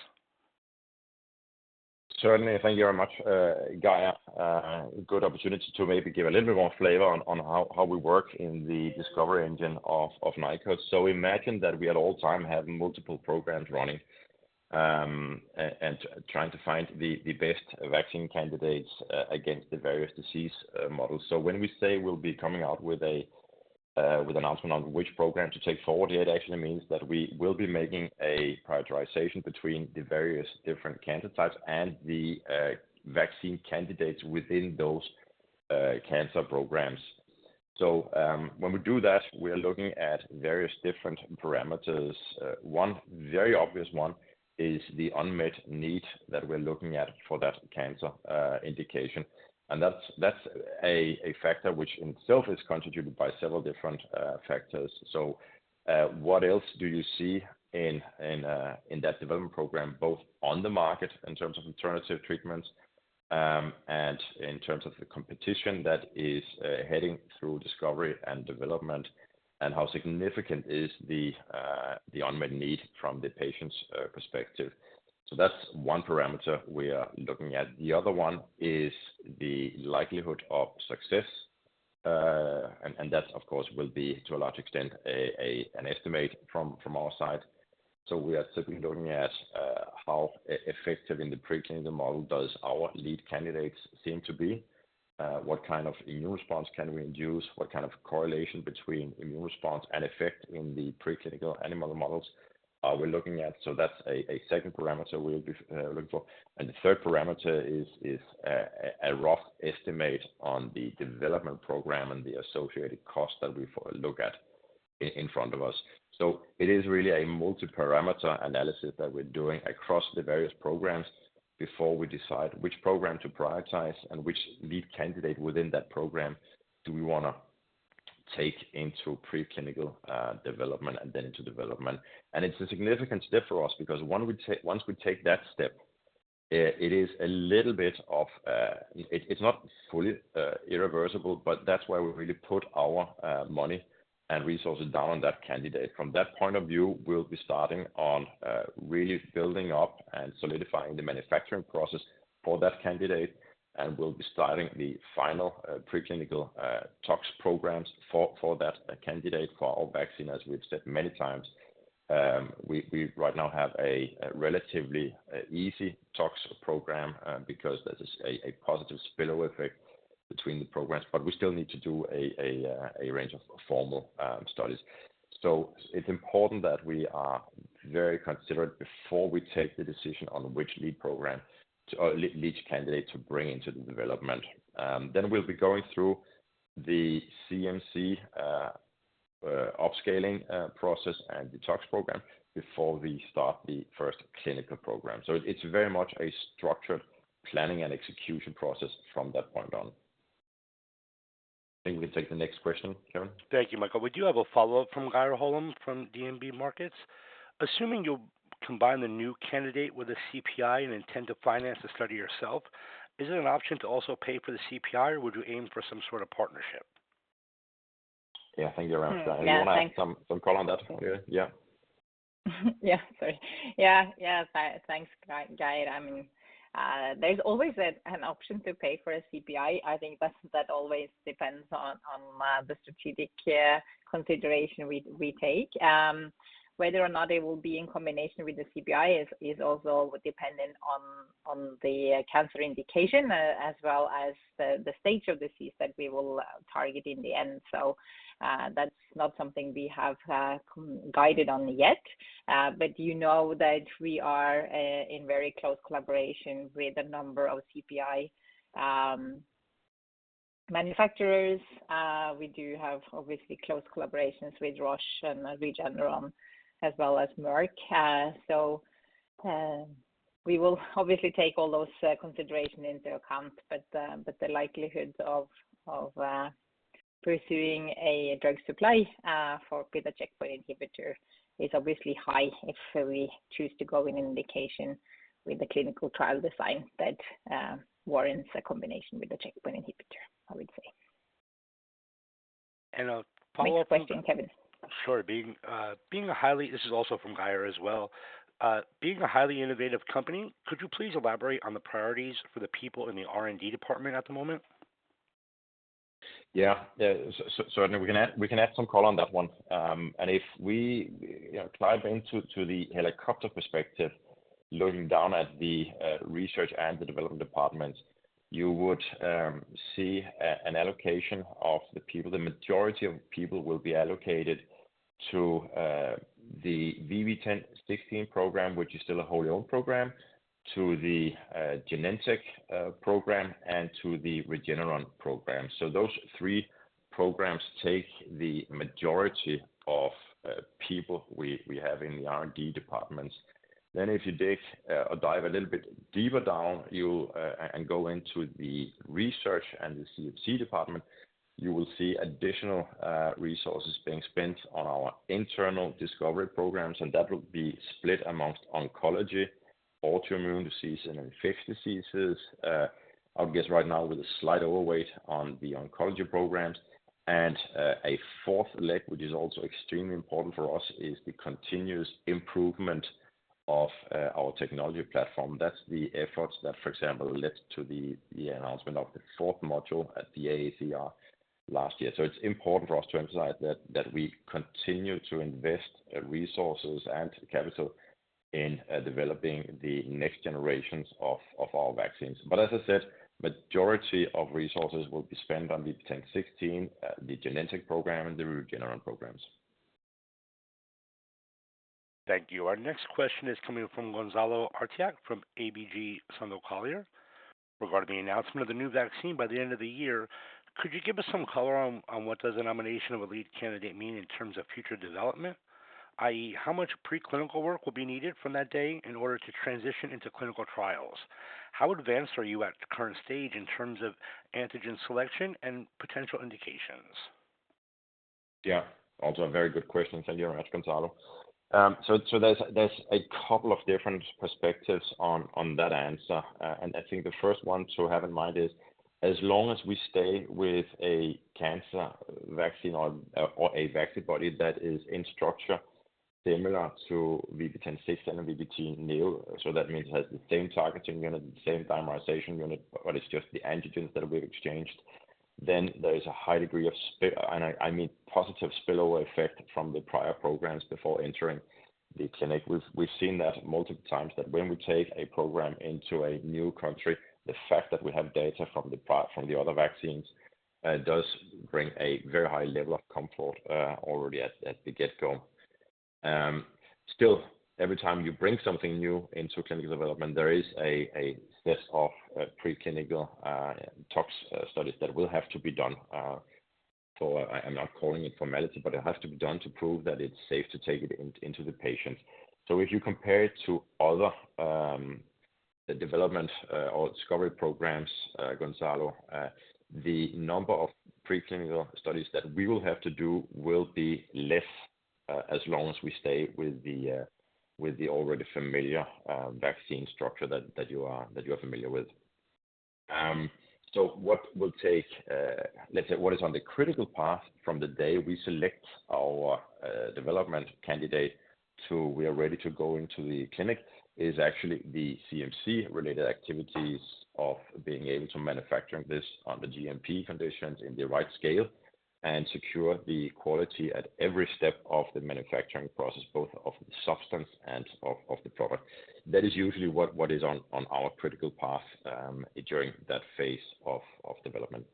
Certainly. Thank you very much, Geir. Good opportunity to maybe give a little bit more flavor on how we work in the discovery engine of Nykode's. Imagine that we at all time have multiple programs running, and trying to find the best vaccine candidates against the various disease models. When we say we'll be coming out with a with announcement on which program to take forward, it actually means that we will be making a prioritization between the various different cancer types and the vaccine candidates within those cancer programs. When we do that, we are looking at various different parameters. One very obvious one is the unmet need that we're looking at for that cancer indication. That's, that's a factor which in itself is contributed by several different factors. What else do you see in that development program, both on the market in terms of alternative treatments, and in terms of the competition that is heading through discovery and development, and how significant is the unmet need from the patient's perspective? That's one parameter we are looking at. The other one is the likelihood of success. And that of course will be, to a large extent, an estimate from our side. We are certainly looking at how effective in the preclinical model does our lead candidates seem to be. What kind of immune response can we induce? What kind of correlation between immune response and effect in the preclinical animal models are we looking at? That's a second parameter we'll be looking for. The third parameter is a rough estimate on the development program and the associated costs that we look at in front of us. It is really a multi-parameter analysis that we're doing across the various programs before we decide which program to prioritize and which lead candidate within that program do we wanna take into preclinical development and then into development. It's a significant step for us because once we take that step, it is a little bit of... It's not fully irreversible, but that's where we really put our money and resources down on that candidate. From that point of view, we'll be starting on really building up and solidifying the manufacturing process for that candidate, and we'll be starting the final preclinical tox programs for that candidate. For our vaccine, as we have said many times, we right now have a relatively easy tox program because there's a positive spillover effect between the programs. We still need to do a range of formal studies. It's important that we are very considerate before we take the decision on which lead program to, or lead candidate to bring into the development. We'll be going through the CMC upscaling process and the tox program before we start the first clinical program. It's very much a structured planning and execution process from that point on. I think we can take the next question, Kevin. Thank you, Michael. We do have a follow-up from Geir Håland from DNB Markets. Assuming you'll combine the new candidate with a CPI and intend to finance the study yourself, is it an option to also pay for the CPI, or would you aim for some sort of partnership? Yeah. Thank you very much. Yeah, thanks. You wanna add some color on that, Pia? Yeah. Yeah, sorry. Yeah. Thanks, Geir. I mean, there's always an option to pay for a CPI. I think that always depends on the strategic consideration we take. Whether or not it will be in combination with the CPI is also dependent on the cancer indication, as well as the stage of disease that we will target in the end. That's not something we have guided on yet. You know that we are in very close collaboration with a number of CPI manufacturers. We do have obviously close collaborations with Roche and Regeneron as well as Merck. We will obviously take all those consideration into account. The likelihoods of, pursuing a drug supply, for, with a checkpoint inhibitor is obviously high if we choose to go in an indication with a clinical trial design that, warrants a combination with a checkpoint inhibitor, I would say. A follow-up question. Next question, Kevin. Sure. This is also from Geir as well. Being a highly innovative company, could you please elaborate on the priorities for the people in the R&D department at the moment? Yeah. So we can add some color on that one. If we, you know, climb into the helicopter perspective, looking down at the research and the development departments, you would see an allocation of the people. The majority of people will be allocated to the VB10.16 program, which is still a wholly owned program, to the Genentech program, and to the Regeneron program. Those three programs take the majority of people we have in the R&D departments. If you dig or dive a little bit deeper down, you and go into the research and the CMC department, you will see additional resources being spent on our internal discovery programs, and that will be split amongst oncology, autoimmune disease, and infectious diseases. I would guess right now with a slight overweight on the oncology programs. A fourth leg, which is also extremely important for us, is the continuous improvement of our technology platform. That's the efforts that, for example, led to the announcement of the fourth module at the AACR last year. It's important for us to emphasize that we continue to invest resources and capital in developing the next generations of our vaccines. As I said, majority of resources will be spent on VB10.16, the Genentech program, and the Regeneron programs. Thank you. Our next question is coming from Gonzalo Artiach from ABG Sundal Collier. Regarding the announcement of the new vaccine by the end of the year, could you give us some color on what does the nomination of a lead candidate mean in terms of future development? i.e. How much preclinical work will be needed from that day in order to transition into clinical trials? How advanced are you at the current stage in terms of antigen selection and potential indications? Yeah. Also a very good question. Thank you very much, Gonzalo. There's a couple of different perspectives on that answer. I think the first one to have in mind is, as long as we stay with a cancer vaccine or a Vaccibody that is in structure similar to VB10.16 and VB10.NEO, so that means it has the same targeting unit, the same dimerization unit, but it's just the antigens that will be exchanged. There is a high degree of spill, I mean positive spillover effect from the prior programs before entering the clinic. We've seen that multiple times that when we take a program into a new country, the fact that we have data from the other vaccines does bring a very high level of comfort already at the get-go. Still, every time you bring something new into clinical development, there is a set of preclinical tox studies that will have to be done. I'm not calling it formality, but it has to be done to prove that it's safe to take it into the patient. If you compare it to other development or discovery programs, Gonzalo, the number of preclinical studies that we will have to do will be less as long as we stay with the already familiar vaccine structure that you are familiar with. What will take, let's say what is on the critical path from the day we select our development candidate to we are ready to go into the clinic is actually the CMC related activities of being able to manufacture this on the GMP conditions in the right scale and secure the quality at every step of the manufacturing process, both of the substance and of the product. That is usually what is on our critical path, during that phase of development.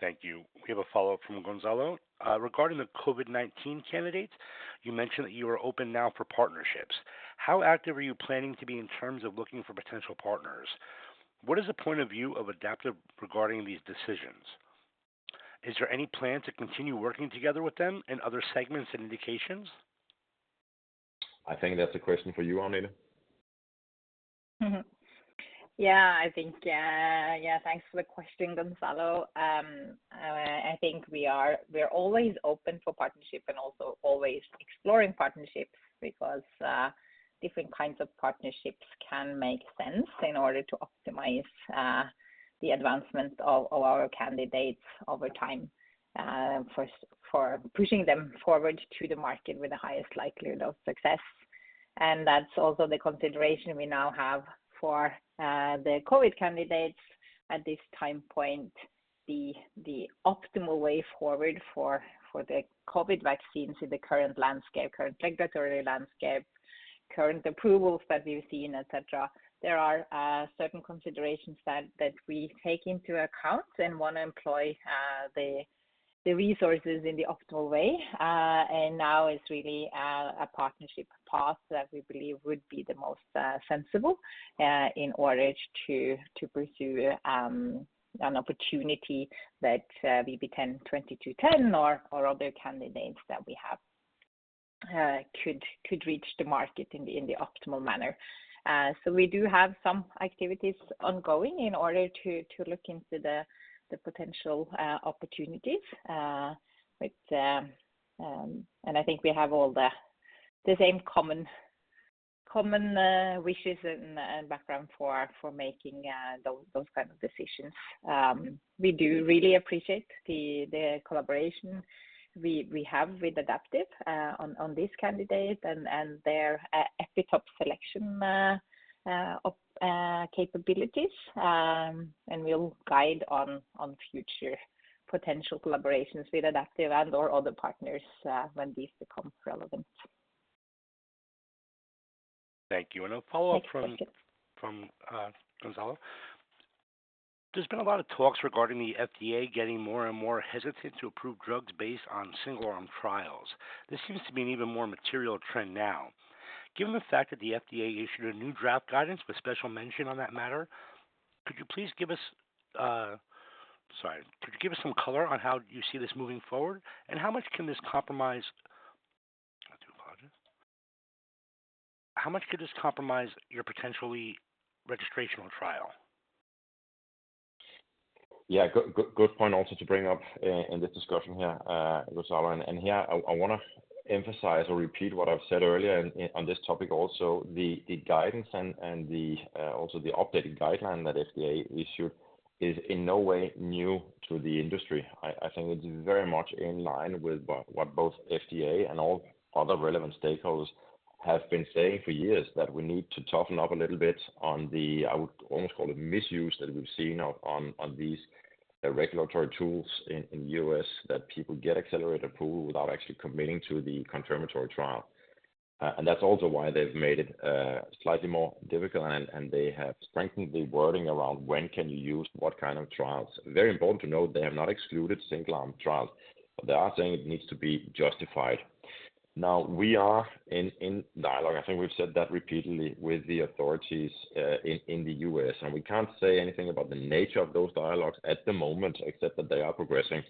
Thank you. We have a follow-up from Gonzalo. Regarding the COVID-19 candidates, you mentioned that you are open now for partnerships. How active are you planning to be in terms of looking for potential partners? What is the point of view of Adaptive regarding these decisions? Is there any plan to continue working together with them in other segments and indications? I think that's a question for you, Agnete. I think, thanks for the question, Gonzalo. I think we are always open for partnership and also always exploring partnerships because different kinds of partnerships can make sense in order to optimize the advancement of our candidates over time, for pushing them forward to the market with the highest likelihood of success. That's also the consideration we now have for the COVID candidates at this time point, the optimal way forward for the COVID vaccines in the current landscape, current regulatory landscape, current approvals that we've seen, et cetera. There are certain considerations that we take into account and wanna employ the resources in the optimal way. Now it's really a partnership path that we believe would be the most sensible in order to pursue an opportunity that VB 102210 or other candidates that we have could reach the market in the optimal manner. We do have some activities ongoing in order to look into the potential opportunities with, and I think we have all the same common wishes and background for making those kind of decisions. We do really appreciate the collaboration we have with Adaptive on this candidate and their epitope selection capabilities. We'll guide on future potential collaborations with Adaptive and/or other partners when these become relevant. Thank you. A follow-up from- Thanks. From, Gonzalo. There's been a lot of talks regarding the FDA getting more and more hesitant to approve drugs based on single-arm trials. This seems to be an even more material trend now. Given the fact that the FDA issued a new draft guidance with special mention on that matter, could you please give us, sorry. Could you give us some color on how you see this moving forward? How much can this compromise... I do apologize. How much could this compromise your potentially registrational trial? Yeah. Good, good point also to bring up in this discussion here, Gonzalo. Here I wanna emphasize or repeat what I've said earlier on this topic also. The guidance and the also the updated guideline that FDA issued is in no way new to the industry. I think it's very much in line with what both FDA and all other relevant stakeholders have been saying for years, that we need to toughen up a little bit on the, I would almost call it misuse that we've seen of on these regulatory tools in the U.S. that people get accelerated approval without actually committing to the confirmatory trial. That's also why they've made it slightly more difficult and they have strengthened the wording around when can you use what kind of trials. Very important to note, they have not excluded single-arm trials, but they are saying it needs to be justified. We are in dialogue, I think we've said that repeatedly, with the authorities in the U.S., and we can't say anything about the nature of those dialogues at the moment except that they are progressing.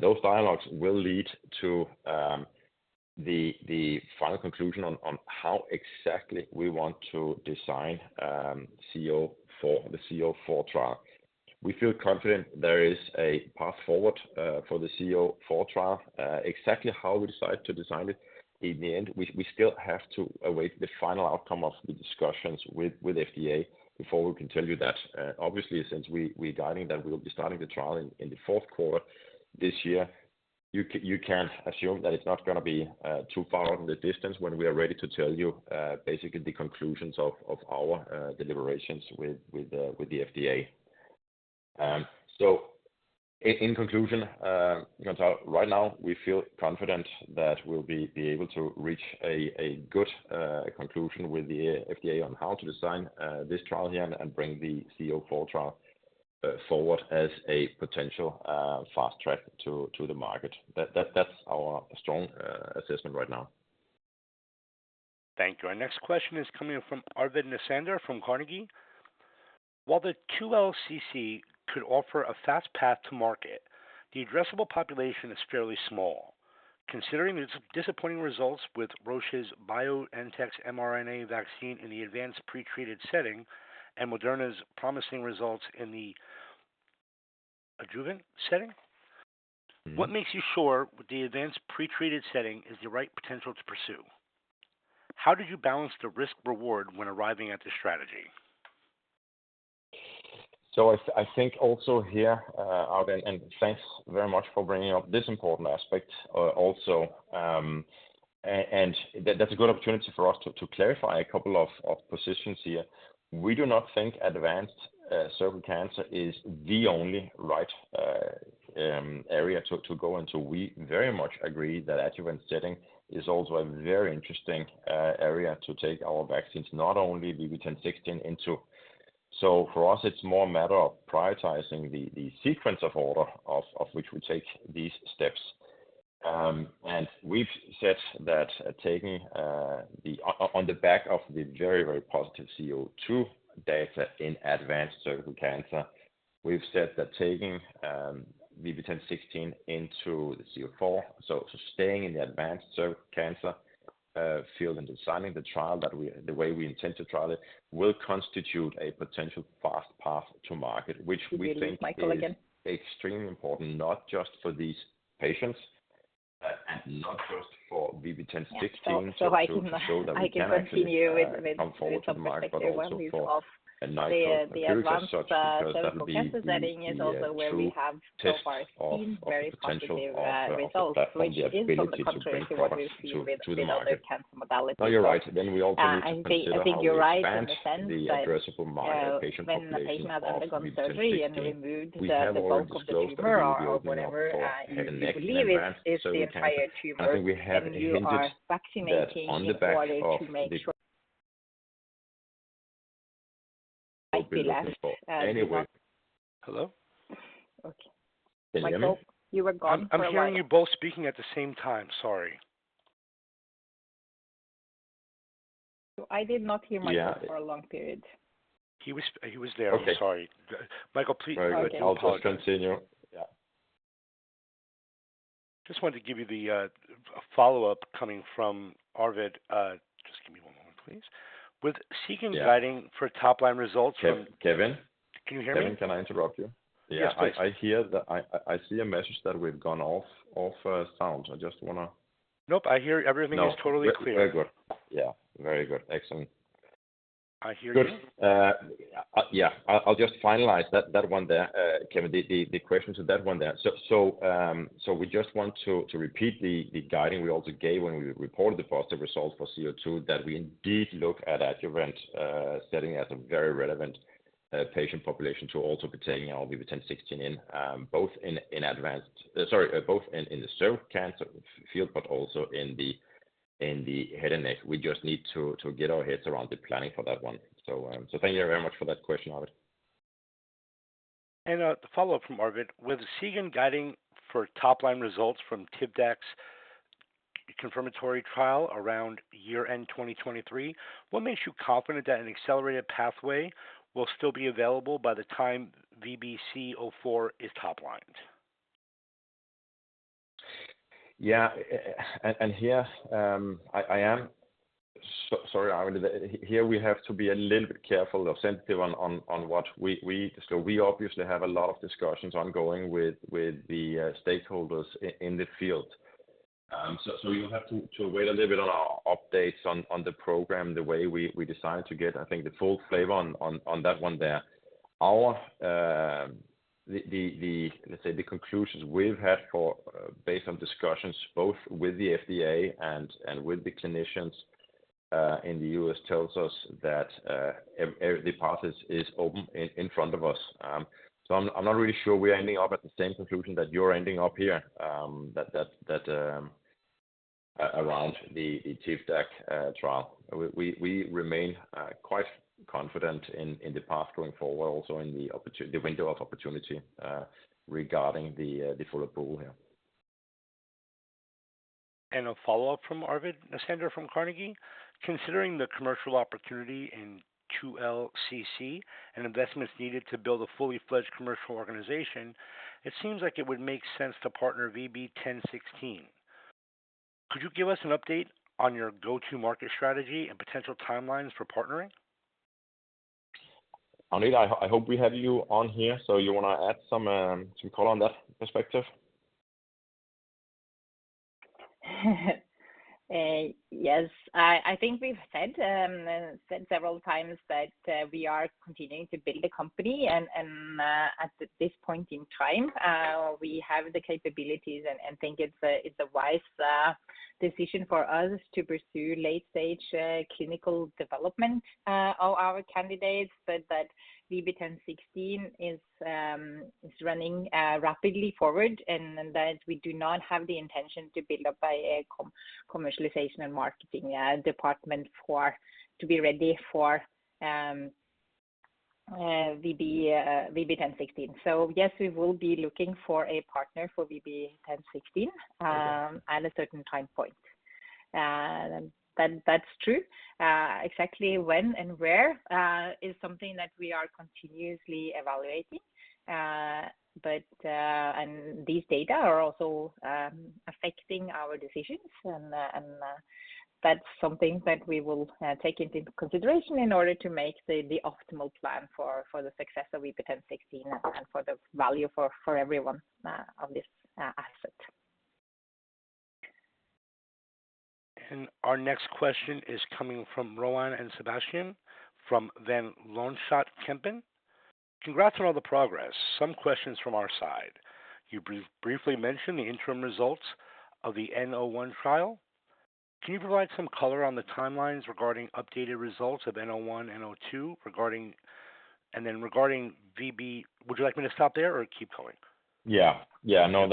Those dialogues will lead to the final conclusion on how exactly we want to design VB-C-04, the VB-C-04 trial. We feel confident there is a path forward for the VB-C-04 trial. Exactly how we decide to design it in the end, we still have to await the final outcome of the discussions with FDA before we can tell you that. e we're we're guiding that we will be starting the trial in in the fourth quarter this year-You can you can assume that it's not gonna be too far out in the distance when we are ready to tell you basically the conclusions of of our deliberations with with with the FDA. So in conclusion, you know, right now we feel confident that we'll be able to reach a good conclusion with the FDA on how to design this trial here and and bring the VB-C-04 trial forward as a potential fast track to to the market. That that that's our strong assessment right now. Thank you. Our next question is coming from Arvid Näsander from Carnegie. While the 2 LCC could offer a fast path to market, the addressable population is fairly small. Considering its disappointing results with Roche's BioNTech's mRNA vaccine in the advanced pre-treated setting and Moderna's promising results in the adjuvant setting. Mm-hmm. What makes you sure the advanced pre-treated setting is the right potential to pursue? How did you balance the risk reward when arriving at the strategy? I think also here, Arvid, and thanks very much for bringing up this important aspect also. That's a good opportunity for us to clarify a couple of positions here. We do not think advanced cervical cancer is the only right area to go into. We very much agree that adjuvant setting is also a very interesting area to take our vaccines, not only VB10.16 into. For us, it's more a matter of prioritizing the sequence of order of which we take these steps. We've said that taking the... On the back of the very, very positive VB-C-02 data in advanced cervical cancer, we've said that taking VB10.16 into the VB-C-04, so staying in the advanced cervical cancer field and designing the trial that the way we intend to trial it will constitute a potential fast path to market, which we think is extremely important, not just for these patients, and not just for VB10.16. To show that we can actually come forward with the market, but also for Nykode Therapeutics as such, because that will be a true test of the potential of the ability to bring products to the market. Now, you're right. We also need to consider how we advance the addressable market patient population of VB10.16. We have already disclosed that we will be opening up for head and neck and advanced cervical cancer. I think we have hinted that on the back of the trial. Michael, you were gone for a while. I'm hearing you both speaking at the same time. Sorry. I did not hear Michael for a long period. He was there. I'm sorry. Michael, please- Very good. I'll just continue. Yeah. Just wanted to give you the follow-up coming from Arvid. Just give me one moment, please. With Seagen guiding for top-line results from- Kevin. Can you hear me? Kevin, can I interrupt you? Yes, please. I hear the. I see a message that we've gone off sound. I just wanna. Nope, I hear everything is totally clear. Very good. Yeah, very good. Excellent. I hear you. Good. Yeah, I'll just finalize that one there, Kevin, the question to that one there. We just want to repeat the guiding we also gave when we reported the positive results for VB-C-02 that we indeed look at adjuvant setting as a very relevant patient population to also be taking our VB10.16 in, both in advanced. Sorry, both in the cervical cancer field, but also in the head and neck. We just need to get our heads around the planning for that one. Thank you very much for that question, Arvid. The follow-up from Arvid. With Seagen guiding for top line results from Padcev's confirmatory trial around year-end 2023, what makes you confident that an accelerated pathway will still be available by the time VB-C-04 is top-lined? Yeah, here, sorry, Arvid. Here we have to be a little bit careful or sensitive on what we. We obviously have a lot of discussions ongoing with the stakeholders in the field. You'll have to wait a little bit on our updates on the program, the way we decide to get, I think, the full flavor on that one there. Our, the conclusions we've had for, based on discussions both with the FDA and with the clinicians, in the U.S. tells us that the path is open in front of us. I'm not really sure we are ending up at the same conclusion that you're ending up here, that around the Padcev trial. We remain quite confident in the path going forward, also in the window of opportunity, regarding the follow pool here. A follow-up from Arvid Necander from Carnegie. Considering the commercial opportunity in 2L r/mCC and investments needed to build a fully fledged commercial organization, it seems like it would make sense to partner VB10.16. Could you give us an update on your go-to market strategy and potential timelines for partnering? Anne, I hope we have you on here. You wanna add some color on that perspective? Yes. I think we've said several times that we are continuing to build the company and, at this point in time, we have the capabilities and think it's a wise decision for us to pursue late stage clinical development of our candidates. That VB10.16 is running rapidly forward and that we do not have the intention to build up a commercialization and marketing department for, to be ready for VB10.16. Yes, we will be looking for a partner for VB10.16. Okay. At a certain time point. That's true. Exactly when and where is something that we are continuously evaluating. These data are also affecting our decisions and that's something that we will take into consideration in order to make the optimal plan for the success of VB10.16 and for the value for everyone on this asset. Our next question is coming from Rohan and Sebastian from Van Lanschot Kempen. Congrats on all the progress. Some questions from our side. You briefly mentioned the interim results of the VB-N-01 trial. Can you provide some color on the timelines regarding updated results of VB-N-01, VB-N-02 regarding... Regarding VB, would you like me to stop there or keep going? Yeah. Yeah, no.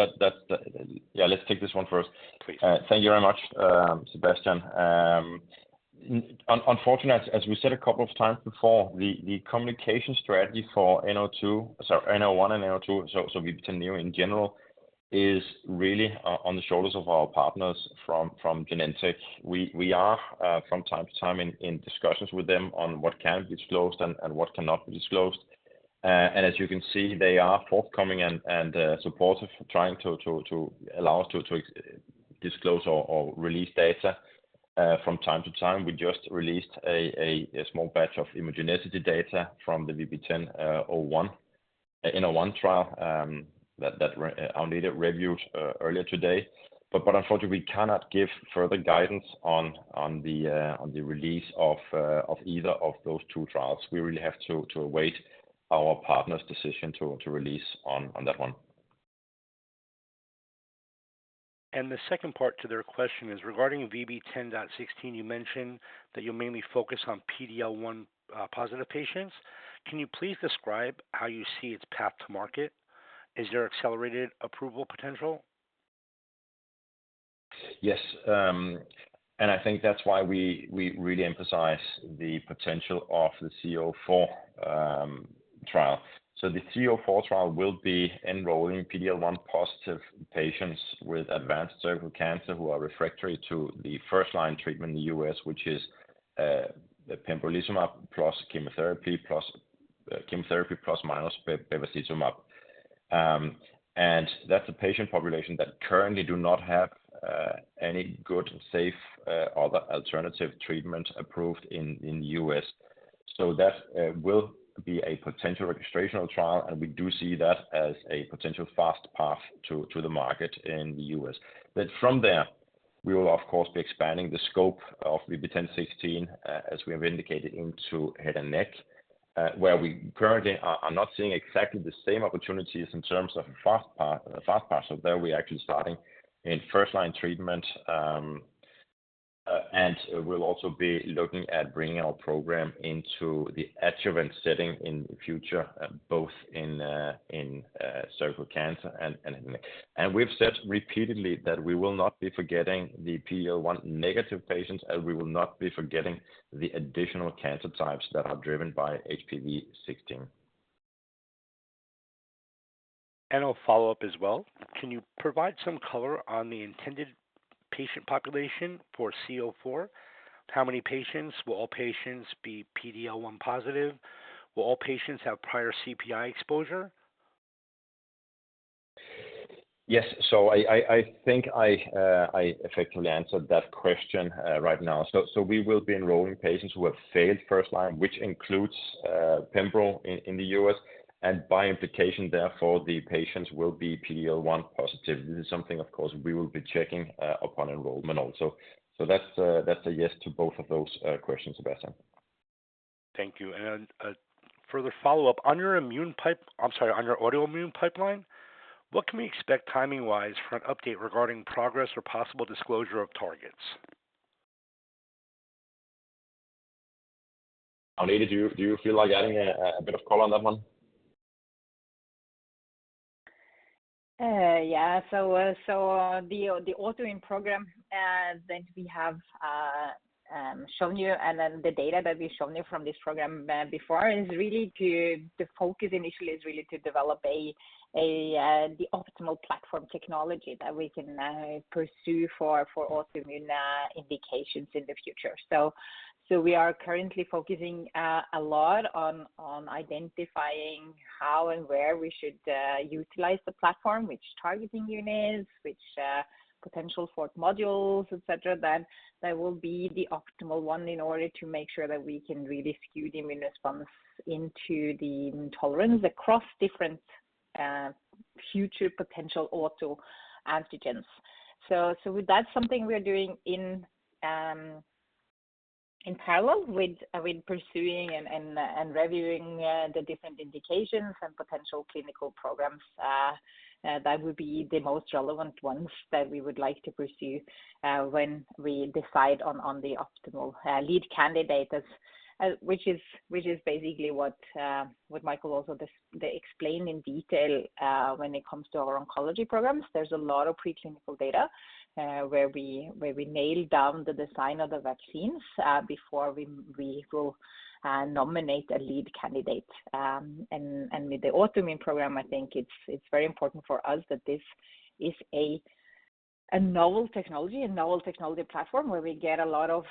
Yeah, let's take this one first. Please. Thank you very much, Sebastian. Unfortunate, as we said a couple of times before, the communication strategy for VB-N-02, sorry, VB-N-01 and VB-N-02, so VB10.NEO in general, is really on the shoulders of our partners from Genentech. We are from time to time in discussions with them on what can be disclosed and what cannot be disclosed. As you can see, they are forthcoming and supportive trying to allow us to disclose or release data from time to time. We just released a small batch of immunogenicity data from the VB10.16 VB-N-01 trial that Arnout reviewed earlier today. Unfortunately, we cannot give further guidance on the release of either of those two trials. We really have to await our partner's decision to release on that one. The second part to their question is regarding VB10.16, you mentioned that you mainly focus on PD-L1 positive patients. Can you please describe how you see its path to market? Is there accelerated approval potential? Yes. I think that's why we really emphasize the potential of the VB-C-04 trial. The VB-C-04 trial will be enrolling PD-L1 positive patients with advanced cervical cancer who are refractory to the first-line treatment in the U.S., which is the pembrolizumab + chemotherapy + chemotherapy ± bevacizumab. That's a patient population that currently do not have any good, safe, other alternative treatment approved in the U.S. That will be a potential registrational trial, and we do see that as a potential fast path to the market in the U.S. From there, we will, of course, be expanding the scope of VB10.16, as we have indicated, into head and neck, where we currently are not seeing exactly the same opportunities in terms of a fast path. There we're actually starting in first-line treatment, and we'll also be looking at bringing our program into the adjuvant setting in the future, both in cervical cancer and head and neck. We've said repeatedly that we will not be forgetting the PD-L1 negative patients, and we will not be forgetting the additional cancer types that are driven by HPV-16. I'll follow up as well. Can you provide some color on the intended patient population for VB-C-04? How many patients? Will all patients be PD-L1 positive? Will all patients have prior CPI exposure? Yes. I think I effectively answered that question right now. We will be enrolling patients who have failed first line, which includes pembro in the U.S. By implication, therefore, the patients will be PD-L1 positive. This is something, of course, we will be checking upon enrollment also. That's a yes to both of those questions, Sebastian. Thank you. Further follow-up. On your autoimmune pipeline, what can we expect timing-wise for an update regarding progress or possible disclosure of targets? Arnout, do you feel like adding a bit of color on that one? Yeah. The autoimmune program that we have shown you and then the data that we've shown you from this program before, the focus initially is really to develop the optimal platform technology that we can pursue for autoimmune indications in the future. We are currently focusing a lot on identifying how and where we should utilize the platform, which targeting units, which potential fourth modules, et cetera, that will be the optimal one in order to make sure that we can really skew the immune response into the intolerance across different future potential autoantigens. That's something we are doing in parallel with pursuing and reviewing the different indications and potential clinical programs that would be the most relevant ones that we would like to pursue when we decide on the optimal lead candidates. Which is basically what Michael also explained in detail when it comes to our oncology programs. There's a lot of preclinical data where we nail down the design of the vaccines before we go and nominate a lead candidate. With the autoimmune program, I think it's very important for us that this is a novel technology, a novel technology platform where we get a lot of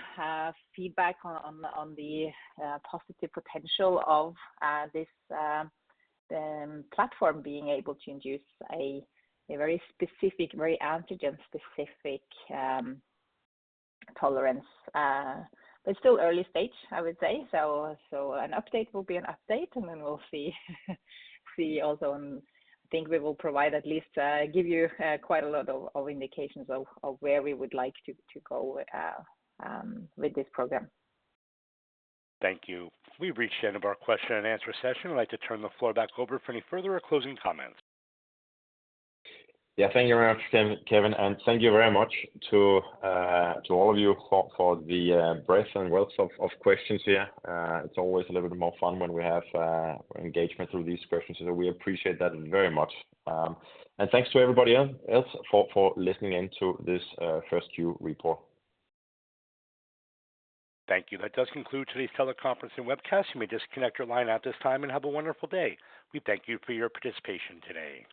feedback on the positive potential of this platform being able to induce a very specific, antigen-specific tolerance. Still early stage, I would say. An update will be an update, and then we'll see also on. I think we will provide at least, give you, quite a lot of indications of where we would like to go with this program. Thank you. We've reached the end of our question and answer session. I'd like to turn the floor back over for any further or closing comments. Yeah. Thank you very much, Kevin, and thank you very much to all of you for the breadth and wealth of questions here. It's always a little bit more fun when we have engagement through these questions. We appreciate that very much. Thanks to everybody else for listening in to this first Q report. Thank you. That does conclude today's teleconference and webcast. You may disconnect your line at this time and have a wonderful day. We thank you for your participation today.